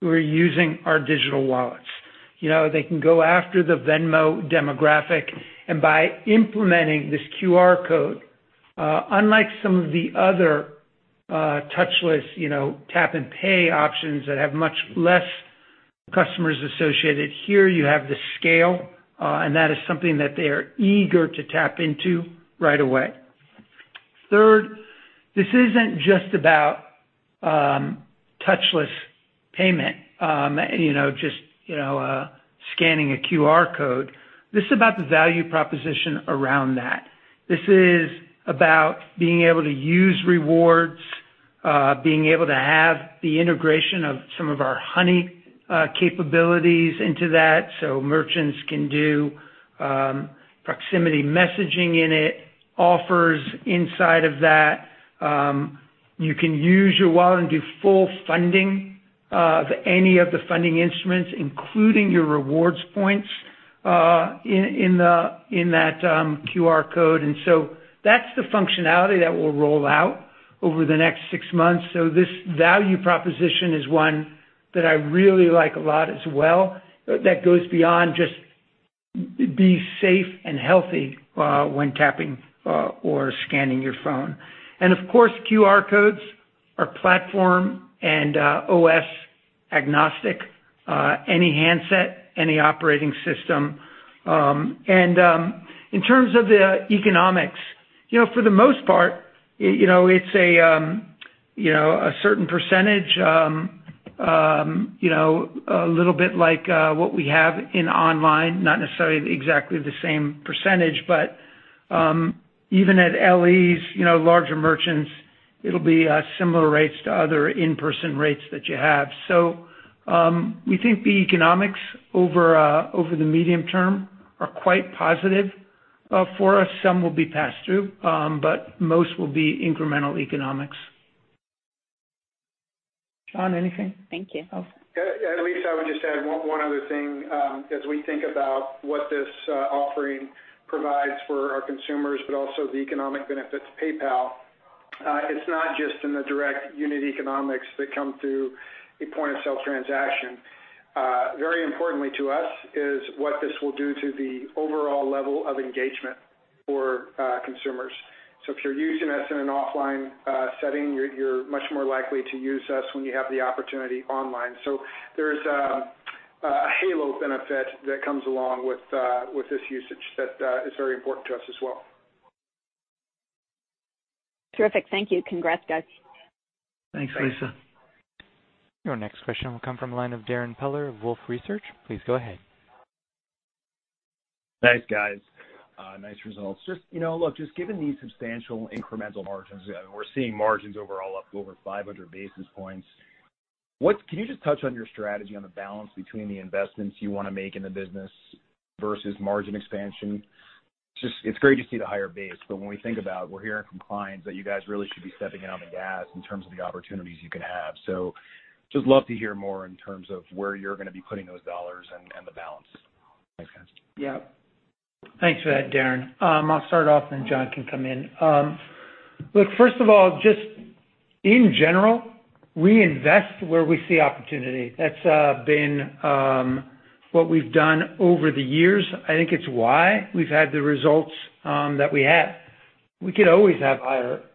who are using our digital wallets. They can go after the Venmo demographic, and by implementing this QR code, unlike some of the other touchless tap and pay options that have much less customers associated, here you have the scale, and that is something that they are eager to tap into right away. Third, this isn't just about touchless payment, just scanning a QR code. This is about the value proposition around that. This is about being able to use rewards, being able to have the integration of some of our Honey capabilities into that so merchants can do proximity messaging in it, offers inside of that. You can use your wallet and do full funding of any of the funding instruments, including your rewards points in that QR code. That's the functionality that we'll roll out over the next six months. This value proposition is one that I really like a lot as well, that goes beyond just be safe and healthy when tapping or scanning your phone. Of course, QR codes are platform and OS agnostic, any handset, any operating system. In terms of the economics, for the most part, it's a certain percentage, a little bit like what we have in online, not necessarily exactly the same percentage, but even at LEs, larger merchants, it'll be similar rates to other in-person rates that you have. We think the economics over the medium term are quite positive for us. Some will be pass-through, but most will be incremental economics. John, anything? Thank you. Lisa, I would just add one other thing. As we think about what this offering provides for our consumers, but also the economic benefits of PayPal, it's not just in the direct unit economics that come through a point-of-sale transaction. Very importantly to us is what this will do to the overall level of engagement for consumers. If you're using us in an offline setting, you're much more likely to use us when you have the opportunity online. There's a halo benefit that comes along with this usage that is very important to us as well. Terrific. Thank you. Congrats, guys. Thanks, Lisa. Your next question will come from the line of Darrin Peller of Wolfe Research. Please go ahead. Thanks, guys. Nice results. Just look, just given these substantial incremental margins, we're seeing margins overall up over 500 basis points. Can you just touch on your strategy on the balance between the investments you want to make in the business versus margin expansion? It's great to see the higher base. We're hearing from clients that you guys really should be stepping on the gas in terms of the opportunities you can have. Just love to hear more in terms of where you're going to be putting those dollars and the balance. Thanks, guys. Yeah. Thanks for that, Darrin. I'll start off, and then John can come in. Look, first of all, just in general, we invest where we see opportunity. That's been what we've done over the years. I think it's why we've had the results that we have. We could always have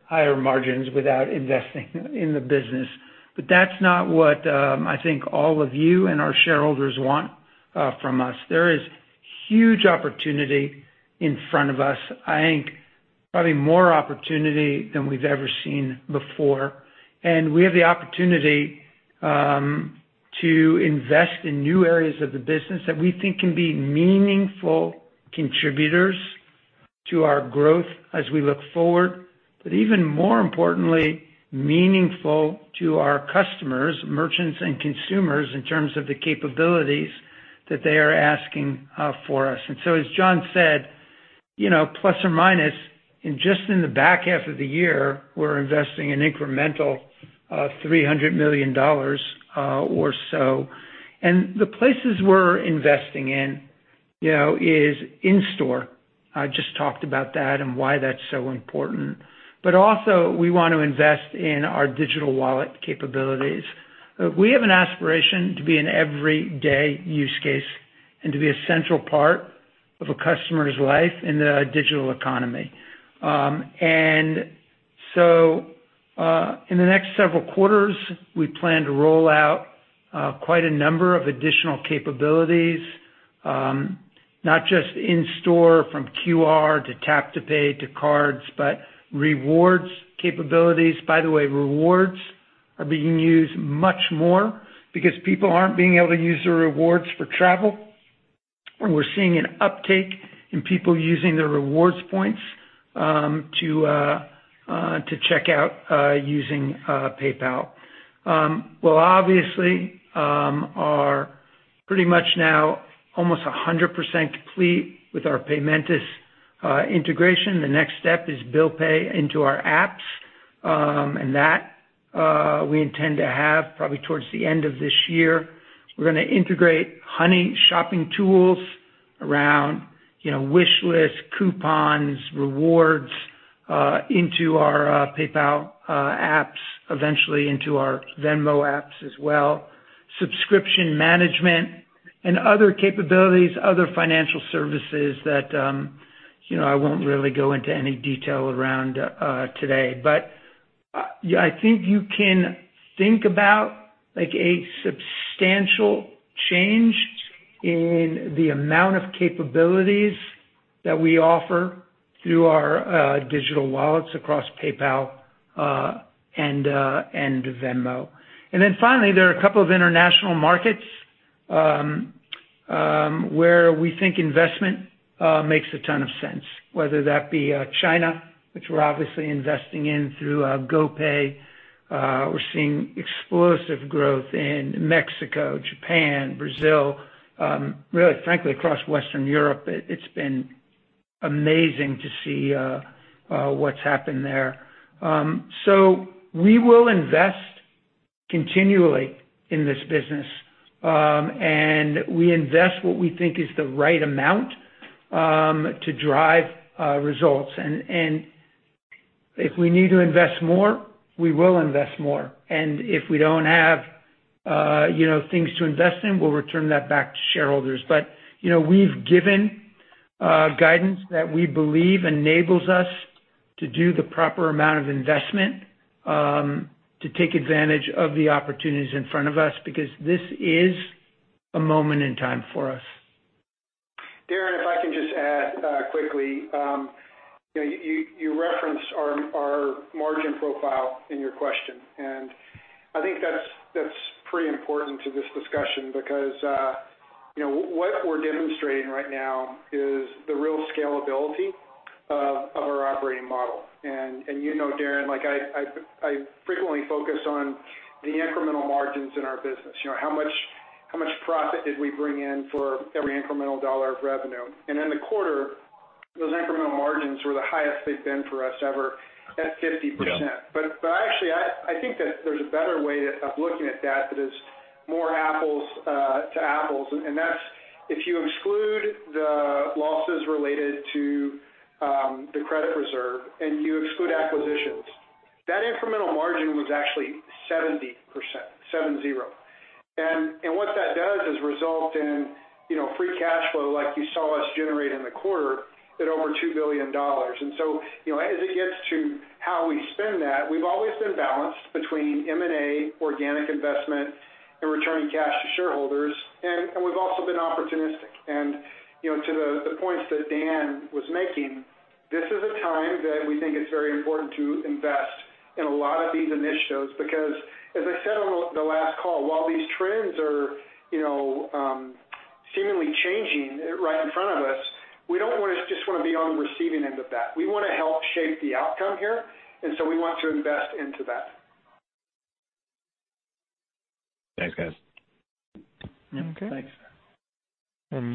higher margins without investing in the business, but that's not what I think all of you and our shareholders want from us. There is huge opportunity in front of us. I think probably more opportunity than we've ever seen before. We have the opportunity to invest in new areas of the business that we think can be meaningful contributors to our growth as we look forward. Even more importantly, meaningful to our customers, merchants, and consumers in terms of the capabilities that they are asking for us. As John said, plus or minus, just in the back half of the year, we're investing an incremental $300 million or so. The places we're investing in is in-store. I just talked about that and why that's so important. Also, we want to invest in our digital wallet capabilities. We have an aspiration to be an everyday use case and to be a central part of a customer's life in the digital economy. In the next several quarters, we plan to roll out quite a number of additional capabilities, not just in-store from QR to tap-to-pay to cards, but rewards capabilities. By the way, rewards are being used much more because people aren't being able to use their rewards for travel. We're seeing an uptake in people using their rewards points to check out using PayPal. Obviously are pretty much now almost 100% complete with our Paymentus integration. The next step is bill pay into our apps, that we intend to have probably towards the end of this year. We're going to integrate Honey shopping tools around wishlist, coupons, rewards into our PayPal apps, eventually into our Venmo apps as well. Subscription management and other capabilities, other financial services that I won't really go into any detail around today. I think you can think about a substantial change in the amount of capabilities that we offer through our digital wallets across PayPal and Venmo. Finally, there are a couple of international markets where we think investment makes a ton of sense, whether that be China, which we're obviously investing in through GoPay. We're seeing explosive growth in Mexico, Japan, Brazil, really, frankly, across Western Europe. It's been amazing to see what's happened there. We will invest continually in this business. We invest what we think is the right amount to drive results. If we need to invest more, we will invest more. If we don't have things to invest in, we'll return that back to shareholders. We've given guidance that we believe enables us to do the proper amount of investment to take advantage of the opportunities in front of us, because this is a moment in time for us. Darrin, if I can just add quickly. You referenced our margin profile in your question, and I think that's pretty important to this discussion because what we're demonstrating right now is the real scalability of our operating model. You know, Darrin, I frequently focus on the incremental margins in our business. How much profit did we bring in for every incremental dollar of revenue? In the quarter, those incremental margins were the highest they've been for us ever at 50%. Yeah. Actually, I think that there's a better way of looking at that is more apples to apples. That's if you exclude the losses related to the credit reserve and you exclude acquisitions, that incremental margin was actually 70%, 70. What that does is result in free cash flow like you saw us generate in the quarter at over $2 billion. As it gets to how we spend that, we've always been balanced between M&A, organic investment, and returning cash to shareholders. We've also been opportunistic. To the points that Dan was making, this is a time that we think it's very important to invest in a lot of these initiatives because as I said on the last call, while these trends are seemingly changing right in front of us, we don't just want to be on the receiving end of that. We want to help shape the outcome here, and so we want to invest into that. Thanks, guys. Okay, thanks.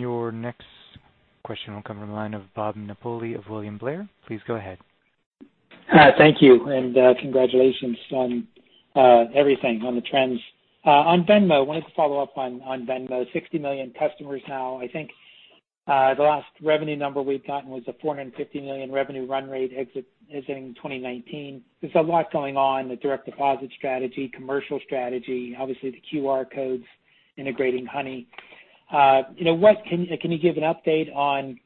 Your next question will come from the line of Bob Napoli of William Blair. Please go ahead. Hi. Thank you and congratulations on everything on the trends. On Venmo, wanted to follow up on Venmo. 60 million customers now. I think the last revenue number we've gotten was a $450 million revenue run rate exiting 2019. There's a lot going on, the direct deposit strategy, commercial strategy, obviously the QR codes integrating Honey. Can you give an update on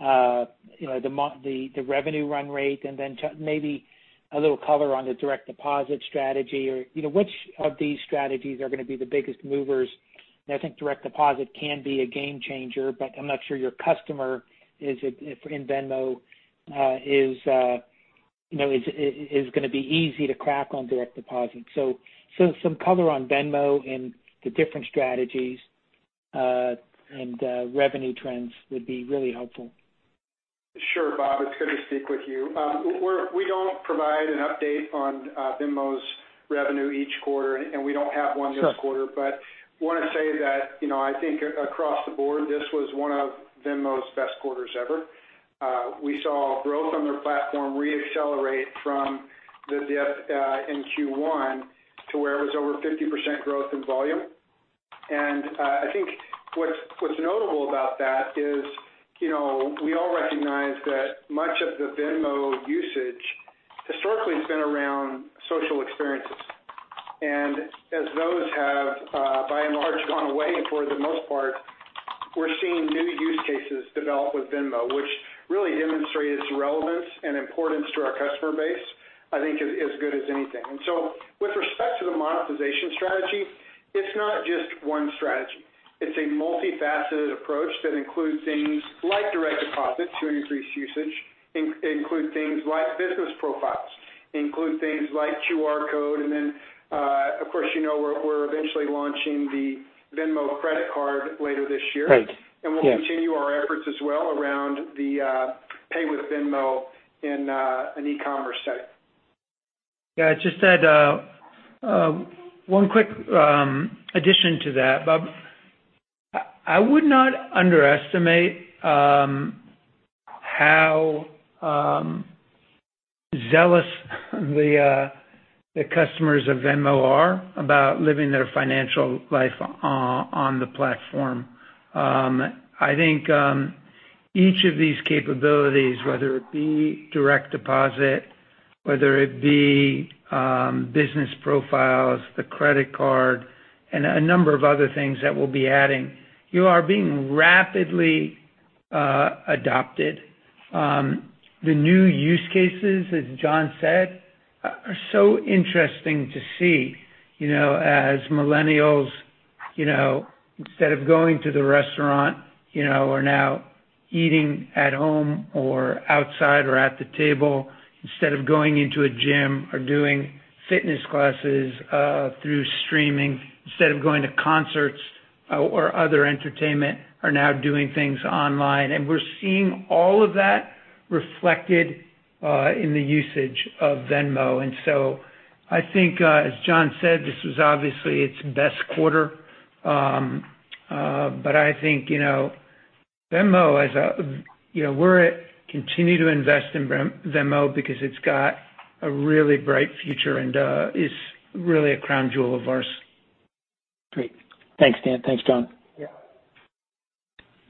the revenue run rate and then maybe a little color on the direct deposit strategy or which of these strategies are going to be the biggest movers? I think direct deposit can be a game changer, but I'm not sure your customer in Venmo is going to be easy to crack on direct deposit. Some color on Venmo and the different strategies and revenue trends would be really helpful. Sure, Bob. It's good to speak with you. We don't provide an update on Venmo's revenue each quarter, and we don't have one this quarter. Sure. Want to say that I think across the board, this was one of Venmo's best quarters ever. We saw growth on their platform re-accelerate from the dip in Q1 to where it was over 50% growth in volume. I think what's notable about that is we all recognize that much of the Venmo usage historically has been around social experiences. As those have by and large gone away for the most part, we're seeing new use cases develop with Venmo, which really demonstrate its relevance and importance to our customer base, I think as good as anything. With respect to the monetization strategy, it's not just one strategy. It's a multifaceted approach that includes things like direct deposits to increase usage. It includes things like business profiles. It includes things like QR code, and then, of course, we're eventually launching the Venmo Credit Card later this year. Right. Yeah. We'll continue our efforts as well around the pay with Venmo in an e-commerce setting. Yeah. Just add one quick addition to that, Bob. I would not underestimate how zealous the customers of Venmo are about living their financial life on the platform. I think each of these capabilities, whether it be direct deposit, whether it be business profiles, the credit card, and a number of other things that we'll be adding are being rapidly adopted. The new use cases, as John said, are so interesting to see. As millennials, instead of going to the restaurant are now eating at home or outside or at the table. Instead of going into a gym are doing fitness classes through streaming. Instead of going to concerts or other entertainment are now doing things online. We're seeing all of that reflected in the usage of Venmo. I think, as John said, this was obviously its best quarter. I think we're continuing to invest in Venmo because it's got a really bright future and is really a crown jewel of ours. Great. Thanks, Dan. Thanks, John.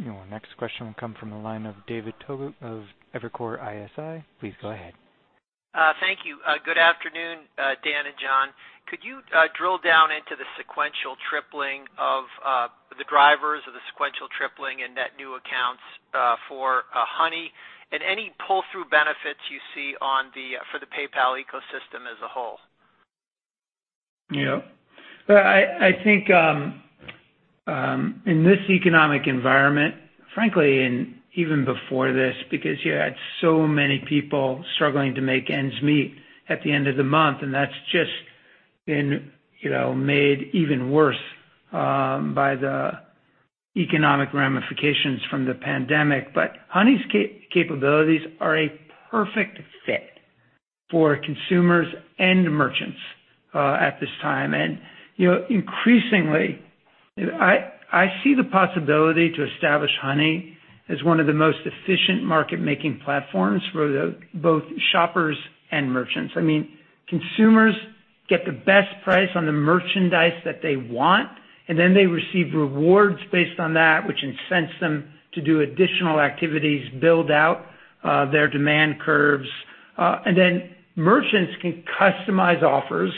Yeah. Our next question will come from the line of David Togut of Evercore ISI. Please go ahead. Thank you. Good afternoon, Dan and John. Could you drill down into the sequential tripling of the drivers or the sequential tripling in net new accounts for Honey, and any pull-through benefits you see for the PayPal ecosystem as a whole? Yeah. I think in this economic environment, frankly, and even before this, because you had so many people struggling to make ends meet at the end of the month, and that's just been made even worse by the economic ramifications from the pandemic. Honey's capabilities are a perfect fit for consumers and merchants at this time. Increasingly, I see the possibility to establish Honey as one of the most efficient market-making platforms for both shoppers and merchants. Consumers get the best price on the merchandise that they want, and then they receive rewards based on that, which incents them to do additional activities, build out their demand curves. Merchants can customize offers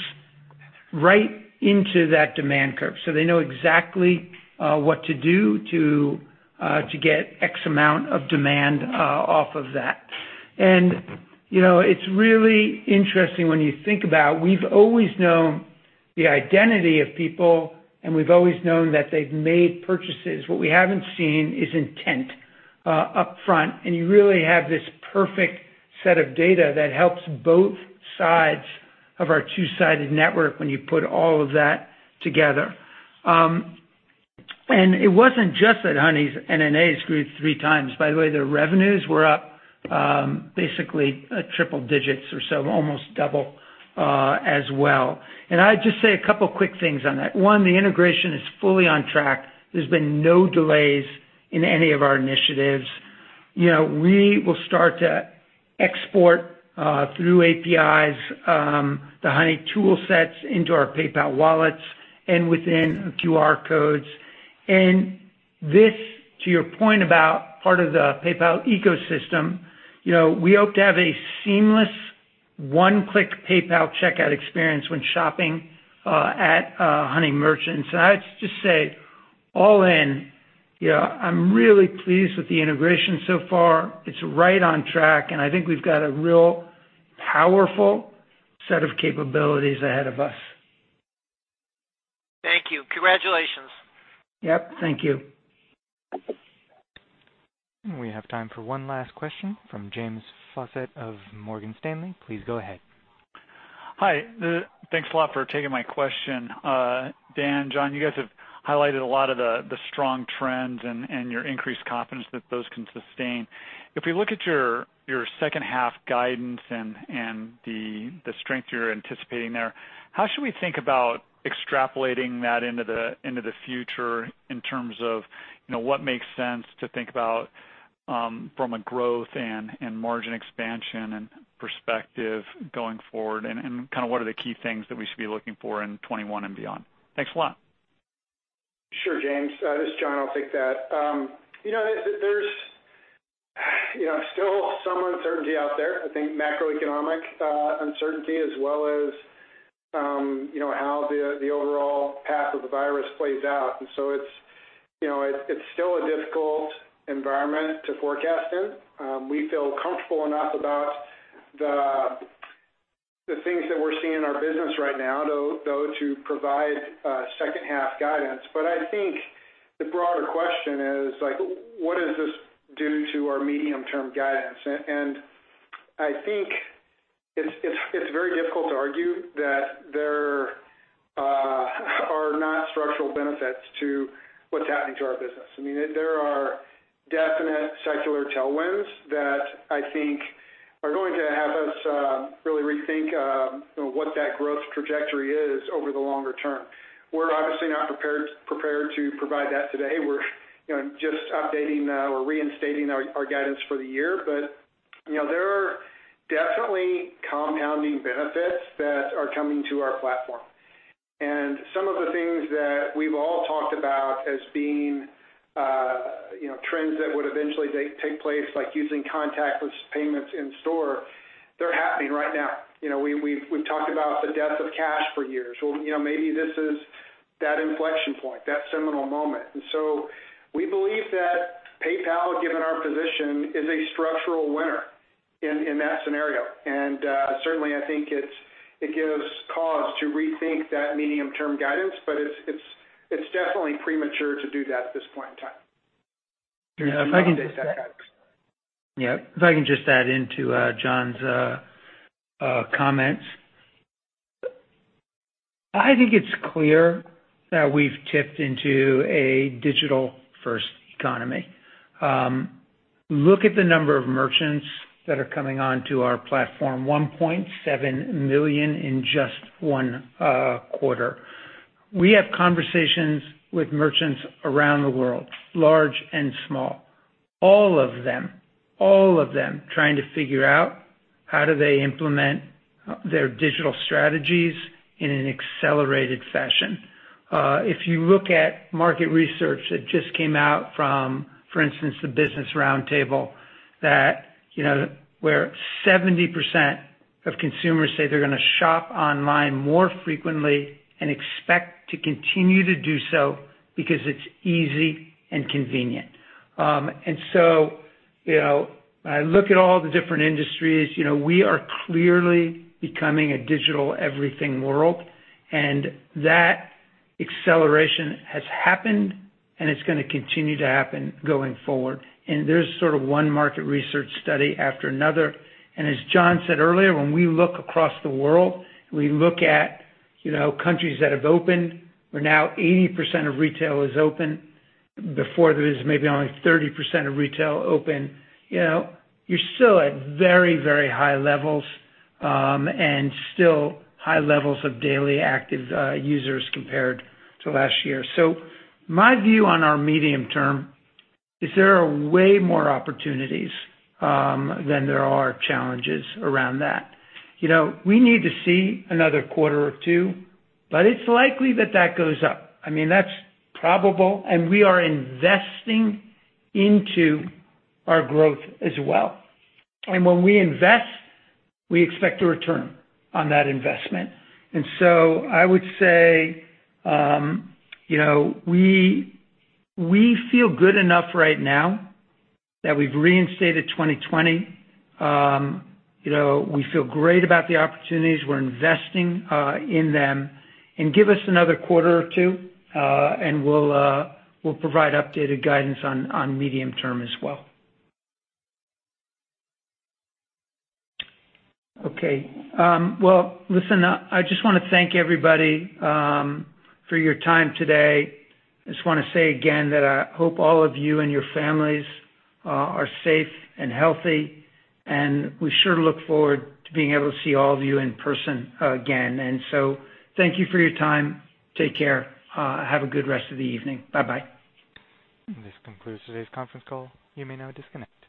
right into that demand curve, so they know exactly what to do to get X amount of demand off of that. It's really interesting when you think about we've always known the identity of people, and we've always known that they've made purchases. What we haven't seen is intent upfront, and you really have this perfect set of data that helps both sides of our two-sided network when you put all of that together. It wasn't just that Honey's NNAs grew three times. By the way, their revenues were up basically triple digits or so, almost double as well. I'd just say a couple of quick things on that. One, the integration is fully on track. There's been no delays in any of our initiatives. We will start to export through APIs the Honey tool sets into our PayPal wallets and within QR codes. This, to your point about part of the PayPal ecosystem, we hope to have a seamless one-click PayPal checkout experience when shopping at Honey merchants. I'd just say all in, I'm really pleased with the integration so far. It's right on track, and I think we've got a real powerful set of capabilities ahead of us. Thank you. Congratulations. Yep. Thank you. We have time for one last question from James Faucette of Morgan Stanley. Please go ahead. Hi. Thanks a lot for taking my question. Dan, John, you guys have highlighted a lot of the strong trends and your increased confidence that those can sustain. If we look at your second half guidance and the strength you're anticipating there, how should we think about extrapolating that into the future in terms of what makes sense to think about from a growth and margin expansion and perspective going forward, and what are the key things that we should be looking for in 2021 and beyond? Thanks a lot. Sure, James. This is John, I'll take that. There's still some uncertainty out there. I think macroeconomic uncertainty, as well as how the overall path of the virus plays out. It's still a difficult environment to forecast in. We feel comfortable enough about the things that we're seeing in our business right now, though, to provide second half guidance. I think the broader question is, what does this do to our medium-term guidance? I think it's very difficult to argue that there are not structural benefits to what's happening to our business. There are definite secular tailwinds that I think are going to have us really rethink what that growth trajectory is over the longer term. We're obviously not prepared to provide that today. We're just updating or reinstating our guidance for the year. There are definitely compounding benefits that are coming to our platform. Some of the things that we've all talked about as being trends that would eventually take place, like using contactless payments in store, they're happening right now. We've talked about the death of cash for years. Maybe this is that inflection point, that seminal moment. We believe that PayPal, given our position, is a structural winner in that scenario. Certainly, I think it gives cause to rethink that medium-term guidance, but it's definitely premature to do that at this point in time. If I can just- Update that guidance. Yeah, if I can just add into John's comments. I think it's clear that we've tipped into a digital-first economy. Look at the number of merchants that are coming onto our platform, 1.7 million in just one quarter. We have conversations with merchants around the world, large and small. All of them trying to figure out how do they implement their digital strategies in an accelerated fashion. If you look at market research that just came out from, for instance, the Business Roundtable where 70% of consumers say they're going to shop online more frequently and expect to continue to do so because it's easy and convenient. I look at all the different industries. We are clearly becoming a digital everything world, and that acceleration has happened, and it's going to continue to happen going forward. There's sort of one market research study after another. As John said earlier, when we look across the world, we look at countries that have opened, where now 80% of retail is open. Before there was maybe only 30% of retail open. You're still at very high levels and still high levels of daily active users compared to last year. My view on our medium term is there are way more opportunities than there are challenges around that. We need to see another quarter or two, but it's likely that that goes up. That's probable, and we are investing into our growth as well. When we invest, we expect a return on that investment. I would say we feel good enough right now that we've reinstated 2020. We feel great about the opportunities. We're investing in them. Give us another quarter or two, and we'll provide updated guidance on medium term as well. Okay. Well, listen, I just want to thank everybody for your time today. I just want to say again that I hope all of you and your families are safe and healthy, and we sure look forward to being able to see all of you in person again. Thank you for your time. Take care. Have a good rest of the evening. Bye-bye. This concludes today's conference call. You may now disconnect.